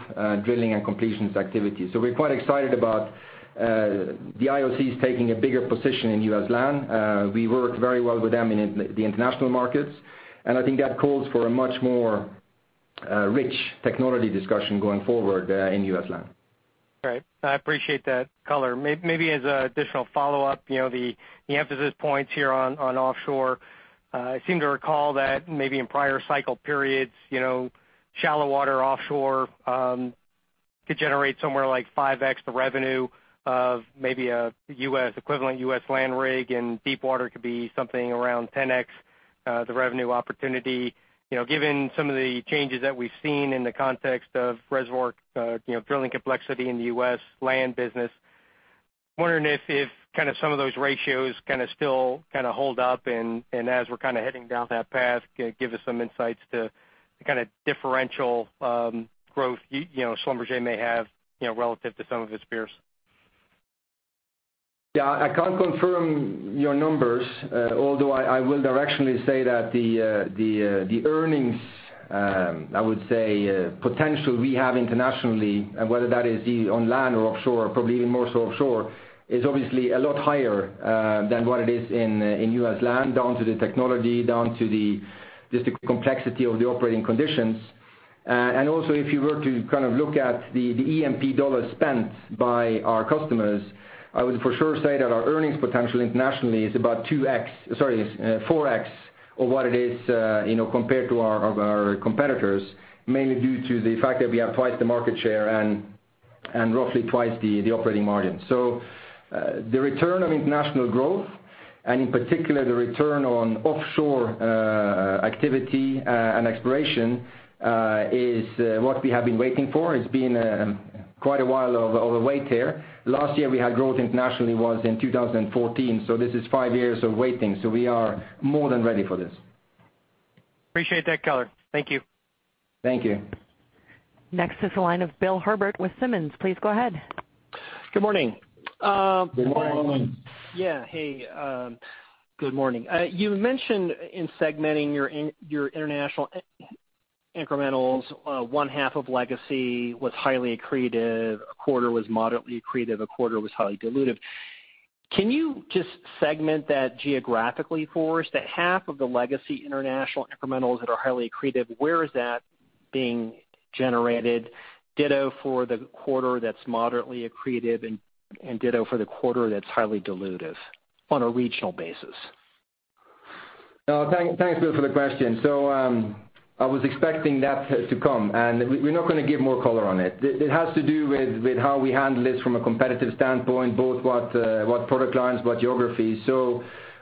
drilling and completions activities. We're quite excited about the IOCs taking a bigger position in U.S. land. We work very well with them in the international markets, I think that calls for a much more rich technology discussion going forward in U.S. land. Great. I appreciate that color. Maybe as additional follow-up, the emphasis points here on offshore. I seem to recall that maybe in prior cycle periods, shallow water offshore could generate somewhere like 5x the revenue of maybe an equivalent U.S. land rig, deep water could be something around 10x the revenue opportunity. Given some of the changes that we've seen in the context of reservoir drilling complexity in the U.S. land business, wondering if some of those ratios still hold up, as we're heading down that path, give us some insights to the kind of differential growth Schlumberger may have relative to some of its peers. Yeah. I can't confirm your numbers, although I will directionally say that the earnings, I would say, potential we have internationally, whether that is on land or offshore, probably even more so offshore, is obviously a lot higher than what it is in U.S. land, down to the technology, down to just the complexity of the operating conditions. Also, if you were to look at the E&P dollar spent by our customers, I would for sure say that our earnings potential internationally is about 4x of what it is compared to our competitors, mainly due to the fact that we have twice the market share and roughly twice the operating margin. The return of international growth. In particular, the return on offshore activity and exploration is what we have been waiting for. It's been quite a while of a wait there. Last year we had growth internationally was in 2014, this is five years of waiting. We are more than ready for this. Appreciate that color. Thank you. Thank you. Next is the line of Bill Herbert with Simmons. Please go ahead. Good morning. Good morning. Hey, good morning. You mentioned in segmenting your international incrementals, one half of legacy was highly accretive, a quarter was moderately accretive, a quarter was highly dilutive. Can you just segment that geographically for us, that half of the legacy international incrementals that are highly accretive, where is that being generated? Ditto for the quarter that's moderately accretive and ditto for the quarter that's highly dilutive, on a regional basis. Thanks, Bill, for the question. I was expecting that to come. We're not going to give more color on it. It has to do with how we handle this from a competitive standpoint, both what product lines, what geography.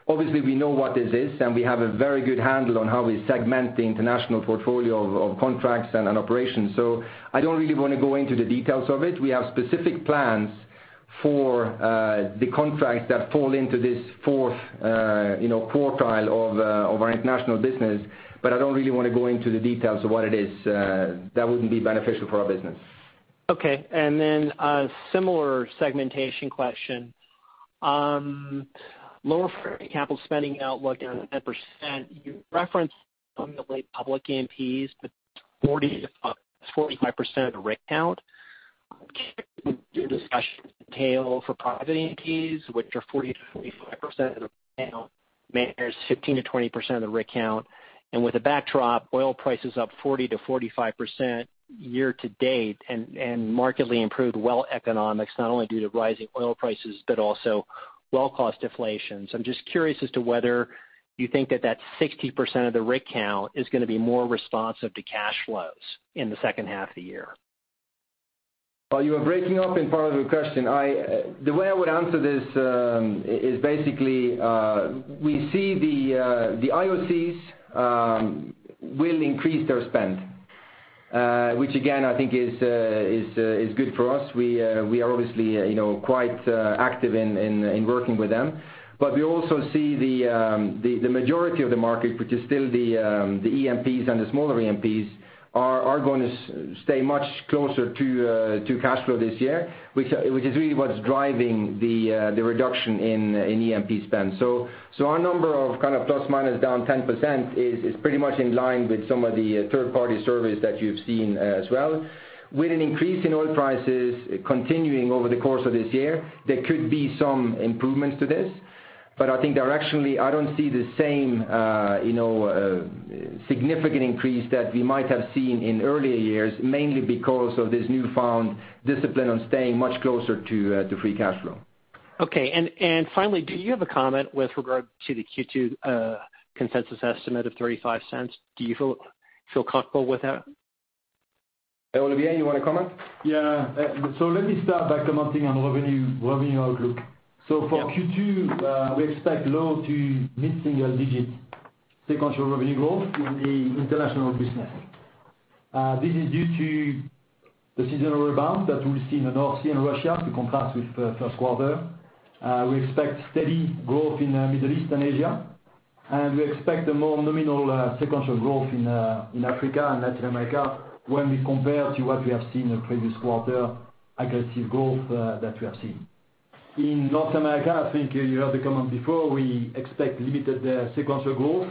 Obviously we know what this is. We have a very good handle on how we segment the international portfolio of contracts and operations. I don't really want to go into the details of it. We have specific plans for the contracts that fall into this fourth quartile of our international business, I don't really want to go into the details of what it is. That wouldn't be beneficial for our business. Okay. A similar segmentation question. Lower capital spending outlook down 10%. You referenced some of the late public E&Ps, but 40%-45% of the rig count. Can you give discussion detail for private E&Ps, which are 40%-45% of the rig count, manages 15%-20% of the rig count? With a backdrop, oil prices up 40%-45% year to date, and markedly improved well economics, not only due to rising oil prices, but also well cost deflation. I'm just curious as to whether you think that that 60% of the rig count is going to be more responsive to cash flows in the second half of the year? You are breaking up in part of the question. The way I would answer this is basically, we see the IOCs will increase their spend, which again, I think is good for us. We are obviously quite active in working with them. We also see the majority of the market, which is still the E&Ps and the smaller E&Ps, are going to stay much closer to cash flow this year, which is really what's driving the reduction in E&P spend. Our number of plus/minus down 10% is pretty much in line with some of the third-party surveys that you've seen as well. With an increase in oil prices continuing over the course of this year, there could be some improvements to this. I think directionally, I don't see the same significant increase that we might have seen in earlier years, mainly because of this newfound discipline on staying much closer to free cash flow. Okay. Finally, do you have a comment with regard to the Q2 consensus estimate of $0.35? Do you feel comfortable with that? Olivier, you want to comment? Yeah. Let me start by commenting on revenue outlook. Yeah. For Q2, we expect low to mid-single digit sequential revenue growth in the international business. This is due to the seasonal rebound that we see in the North Sea and Russia, to contrast with first quarter. We expect steady growth in Middle East and Asia. We expect a more nominal sequential growth in Africa and Latin America when we compare to what we have seen in the previous quarter, aggressive growth that we have seen. In North America, I think you heard the comment before, we expect limited sequential growth.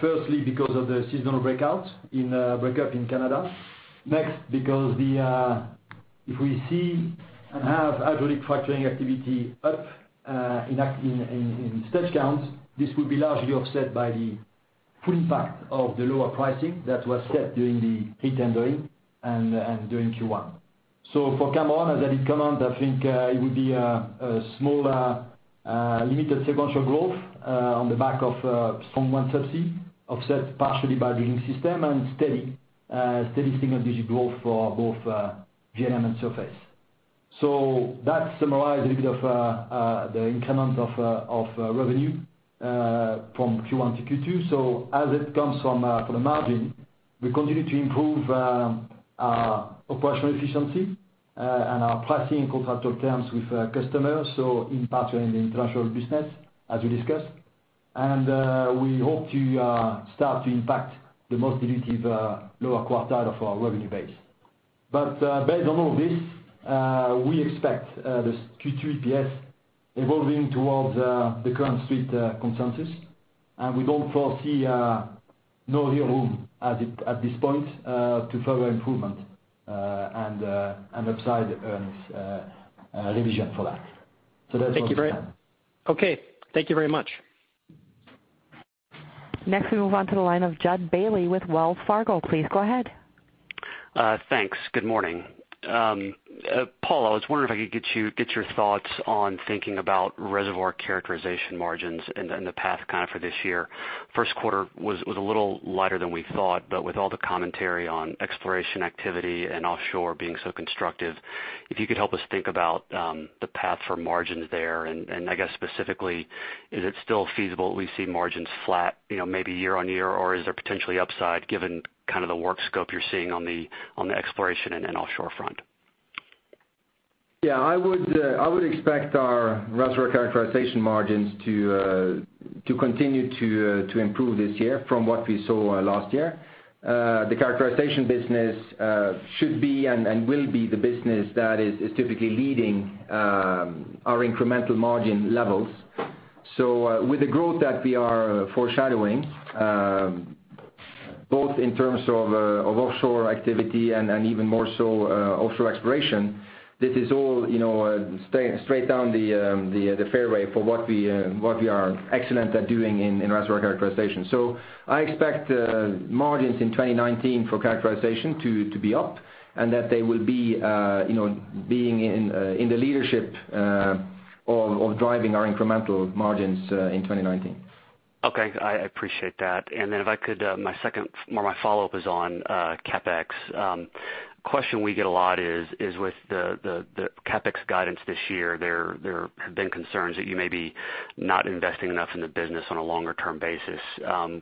Firstly, because of the seasonal breakup in Canada. Next, because if we see and have hydraulic fracturing activity up in stage counts, this will be largely offset by the full impact of the lower pricing that was set during the re-tendering and during Q1. For Cameron, as I did comment, I think it would be a small limited sequential growth on the back of strong subsea, offset partially by Drilling Systems and steady single-digit growth for both V&M and Surface. That summarize a little bit of the increment of revenue from Q1 to Q2. As it comes for the margin, we continue to improve our operational efficiency and our pricing contractual terms with customers, in particular in the international business as we discussed. We hope to start to impact the most dilutive lower quartile of our revenue base. Based on all this, we expect the Q2 EPS evolving towards the current Street consensus, and we don't foresee no real room at this point to further improvement and upside earnings revision for that. That's all for now. Thank you very much. We move on to the line of Jud Bailey with Wells Fargo. Please go ahead. Thanks. Good morning. Paal, I was wondering if I could get your thoughts on thinking about reservoir characterization margins and the path for this year. First quarter was a little lighter than we thought, but with all the commentary on exploration activity and offshore being so constructive, if you could help us think about the path for margins there, and I guess specifically, is it still feasible that we see margins flat maybe year-over-year, or is there potentially upside given the work scope you're seeing on the exploration and offshore front? I would expect our reservoir characterization margins to continue to improve this year from what we saw last year. The characterization business should be and will be the business that is typically leading our incremental margin levels. With the growth that we are foreshadowing, both in terms of offshore activity and even more so offshore exploration, this is all straight down the fairway for what we are excellent at doing in reservoir characterization. I expect margins in 2019 for characterization to be up, and that they will be being in the leadership of driving our incremental margins in 2019. Okay. I appreciate that. Then if I could, my follow-up is on CapEx. Question we get a lot is with the CapEx guidance this year, there have been concerns that you may be not investing enough in the business on a longer-term basis.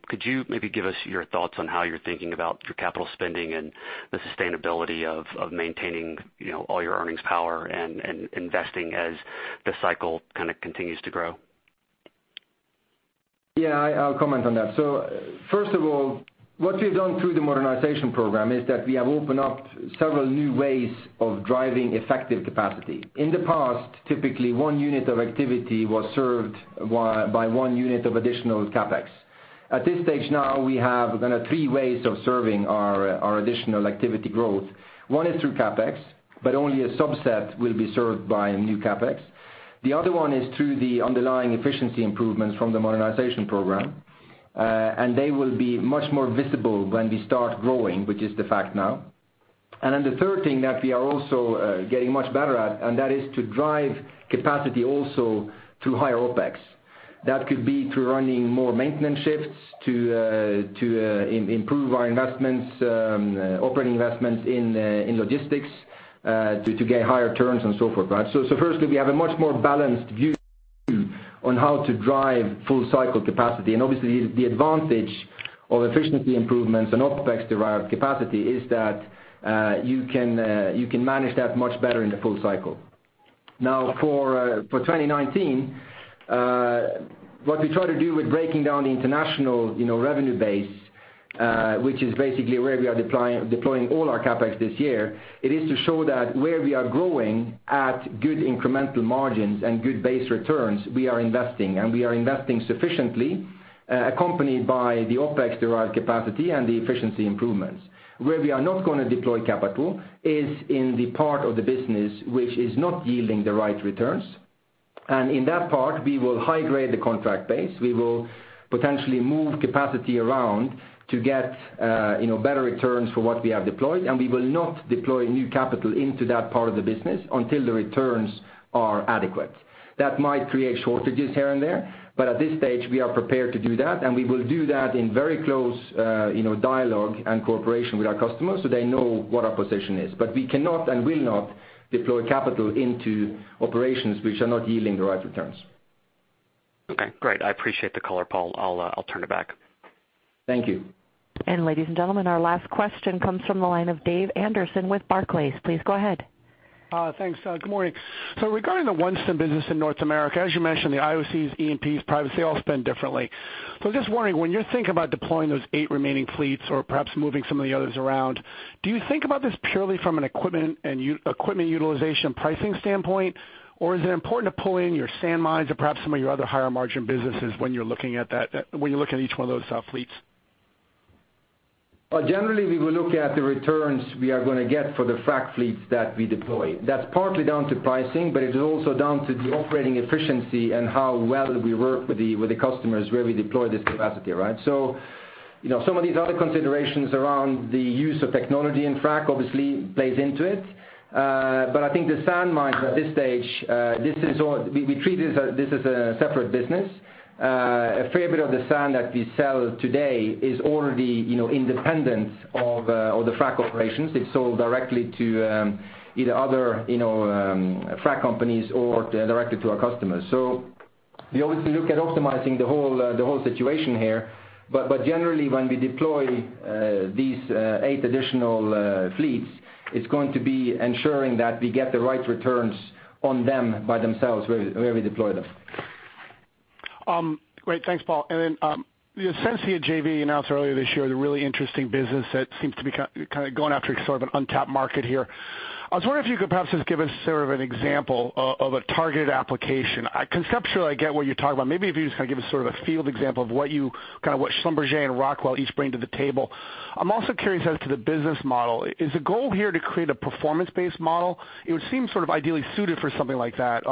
Could you maybe give us your thoughts on how you're thinking about your capital spending and the sustainability of maintaining all your earnings power and investing as the cycle continues to grow? Yeah, I'll comment on that. First of all, what we've done through the modernization program is that we have opened up several new ways of driving effective capacity. In the past, typically, one unit of activity was served by one unit of additional CapEx. At this stage now, we have three ways of serving our additional activity growth. One is through CapEx, but only a subset will be served by new CapEx. The other one is through the underlying efficiency improvements from the modernization program, and they will be much more visible when we start growing, which is the fact now. Then the third thing that we are also getting much better at, and that is to drive capacity also through higher OpEx. That could be through running more maintenance shifts to improve our operating investments in logistics to get higher returns and so forth. Firstly, we have a much more balanced view on how to drive full-cycle capacity. Obviously, the advantage of efficiency improvements and OpEx-derived capacity is that you can manage that much better in the full cycle. Now, for 2019, what we try to do with breaking down the international revenue base, which is basically where we are deploying all our CapEx this year, it is to show that where we are growing at good incremental margins and good base returns, we are investing, and we are investing sufficiently, accompanied by the OpEx-derived capacity and the efficiency improvements. Where we are not going to deploy capital is in the part of the business which is not yielding the right returns. In that part, we will high-grade the contract base. We will potentially move capacity around to get better returns for what we have deployed, and we will not deploy new capital into that part of the business until the returns are adequate. That might create shortages here and there, but at this stage, we are prepared to do that, and we will do that in very close dialogue and cooperation with our customers so they know what our position is. We cannot and will not deploy capital into operations which are not yielding the right returns. Okay, great. I appreciate the color, Paal. I'll turn it back. Thank you. Ladies and gentlemen, our last question comes from the line of David Anderson with Barclays. Please go ahead. Thanks. Good morning. Regarding the OneStim business in North America, as you mentioned, the IOCs, E&Ps, private, they all spend differently. Just wondering, when you're thinking about deploying those eight remaining fleets or perhaps moving some of the others around, do you think about this purely from an equipment utilization pricing standpoint, or is it important to pull in your sand mines or perhaps some of your other higher-margin businesses when you look at each one of those fleets? Generally, we will look at the returns we are going to get for the frac fleets that we deploy. That's partly down to pricing, but it's also down to the operating efficiency and how well we work with the customers where we deploy this capacity. Some of these other considerations around the use of technology in frac obviously plays into it. I think the sand mines at this stage, we treat this as a separate business. A fair bit of the sand that we sell today is already independent of the frac operations. It's sold directly to either other frac companies or directly to our customers. We always look at optimizing the whole situation here. Generally, when we deploy these eight additional fleets, it's going to be ensuring that we get the right returns on them by themselves where we deploy them. Great. Thanks, Paal. The Sensia JV you announced earlier this year is a really interesting business that seems to be going after sort of an untapped market here. I was wondering if you could perhaps just give us sort of an example of a targeted application. Conceptually, I get what you're talking about. Maybe if you just give us sort of a field example of what Schlumberger and Rockwell each bring to the table. I'm also curious as to the business model. Is the goal here to create a performance-based model? It would seem sort of ideally suited for something like that.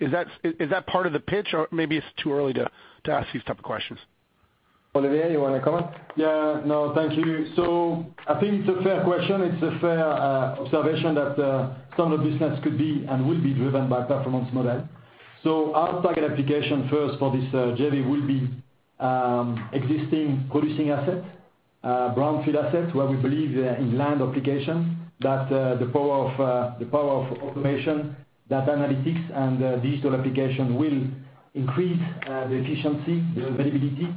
Is that part of the pitch, or maybe it's too early to ask these type of questions? Olivier, you want to comment? Yeah, no, thank you. I think it's a fair question. It's a fair observation that some of the business could be and will be driven by performance model. Our target application first for this JV will be existing producing asset, brownfield asset, where we believe in land application that the power of automation, data analytics, and digital application will increase the efficiency, the availability,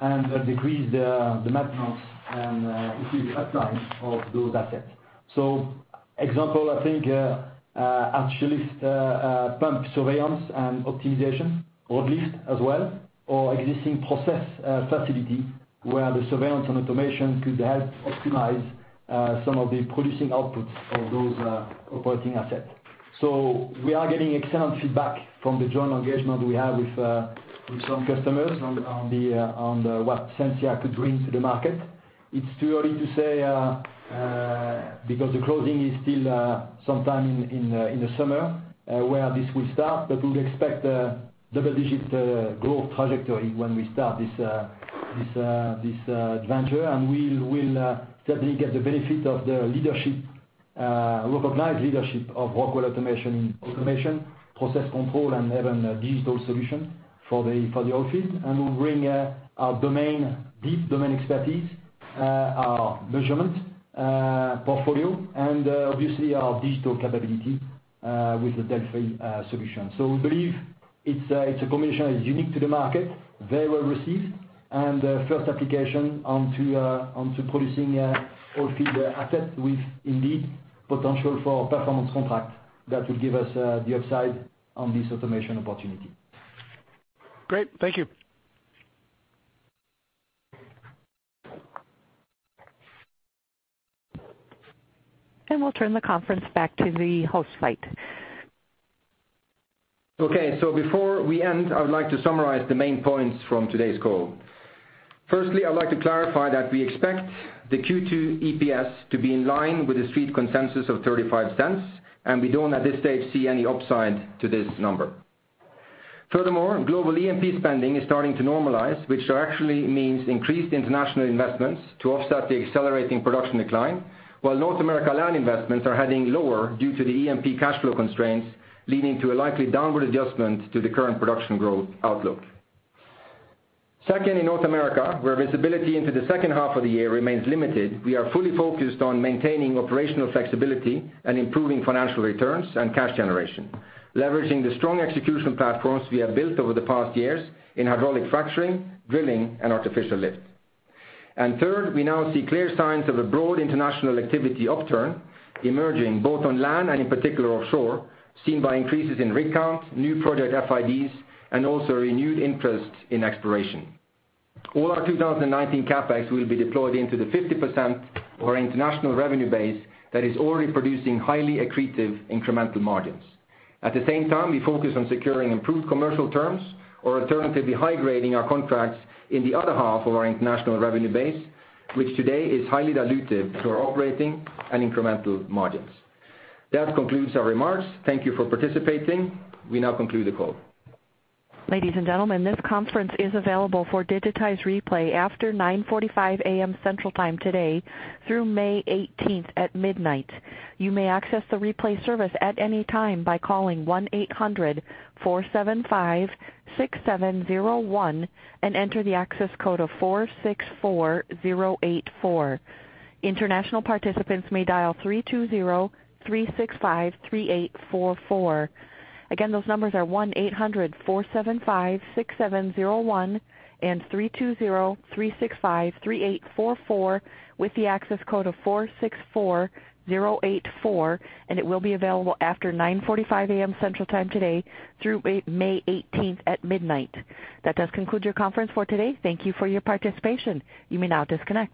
and decrease the maintenance and increase uptime of those assets. Example, I think, artificial lift pump surveillance and optimization, or at least as well, or existing process facility where the surveillance and automation could help optimize some of the producing outputs of those operating assets. We are getting excellent feedback from the joint engagement we have with some customers on what Sensia could bring to the market. It's too early to say because the closing is still sometime in the summer where this will start, but we would expect double-digit growth trajectory when we start this venture, and we'll certainly get the benefit of the leadership, recognized leadership of Rockwell Automation in automation, process control, and even digital solution for the oil field. We'll bring our deep domain expertise, our measurement portfolio, and obviously our digital capability with the DELFI solution. We believe it's a combination that is unique to the market, very well received, and first application onto producing oil field asset with indeed potential for performance contract that will give us the upside on this automation opportunity. Great. Thank you. We'll turn the conference back to the host site. Before we end, I would like to summarize the main points from today's call. Firstly, I'd like to clarify that we expect the Q2 EPS to be in line with the street consensus of $0.35, and we don't at this stage see any upside to this number. Furthermore, global E&P spending is starting to normalize, which actually means increased international investments to offset the accelerating production decline, while North America land investments are heading lower due to the E&P cash flow constraints, leading to a likely downward adjustment to the current production growth outlook. Second, in North America, where visibility into the second half of the year remains limited, we are fully focused on maintaining operational flexibility and improving financial returns and cash generation, leveraging the strong execution platforms we have built over the past years in hydraulic fracturing, drilling, and artificial lift. Third, we now see clear signs of a broad international activity upturn emerging both on land and in particular offshore, seen by increases in rig counts, new project FIDs, and also renewed interest in exploration. All our 2019 CapEx will be deployed into the 50% or international revenue base that is already producing highly accretive incremental margins. At the same time, we focus on securing improved commercial terms or alternatively high-grading our contracts in the other half of our international revenue base, which today is highly dilutive to our operating and incremental margins. That concludes our remarks. Thank you for participating. We now conclude the call. Ladies and gentlemen, this conference is available for digitized replay after 9:45 A.M. Central Time today through May 18th at midnight. You may access the replay service at any time by calling 1-800-475-6701 and enter the access code of 464084. International participants may dial 320-365-3844. Again, those numbers are 1-800-475-6701 and 320-365-3844 with the access code of 464084, and it will be available after 9:45 A.M. Central Time today through May 18th at midnight. That does conclude your conference for today. Thank you for your participation. You may now disconnect.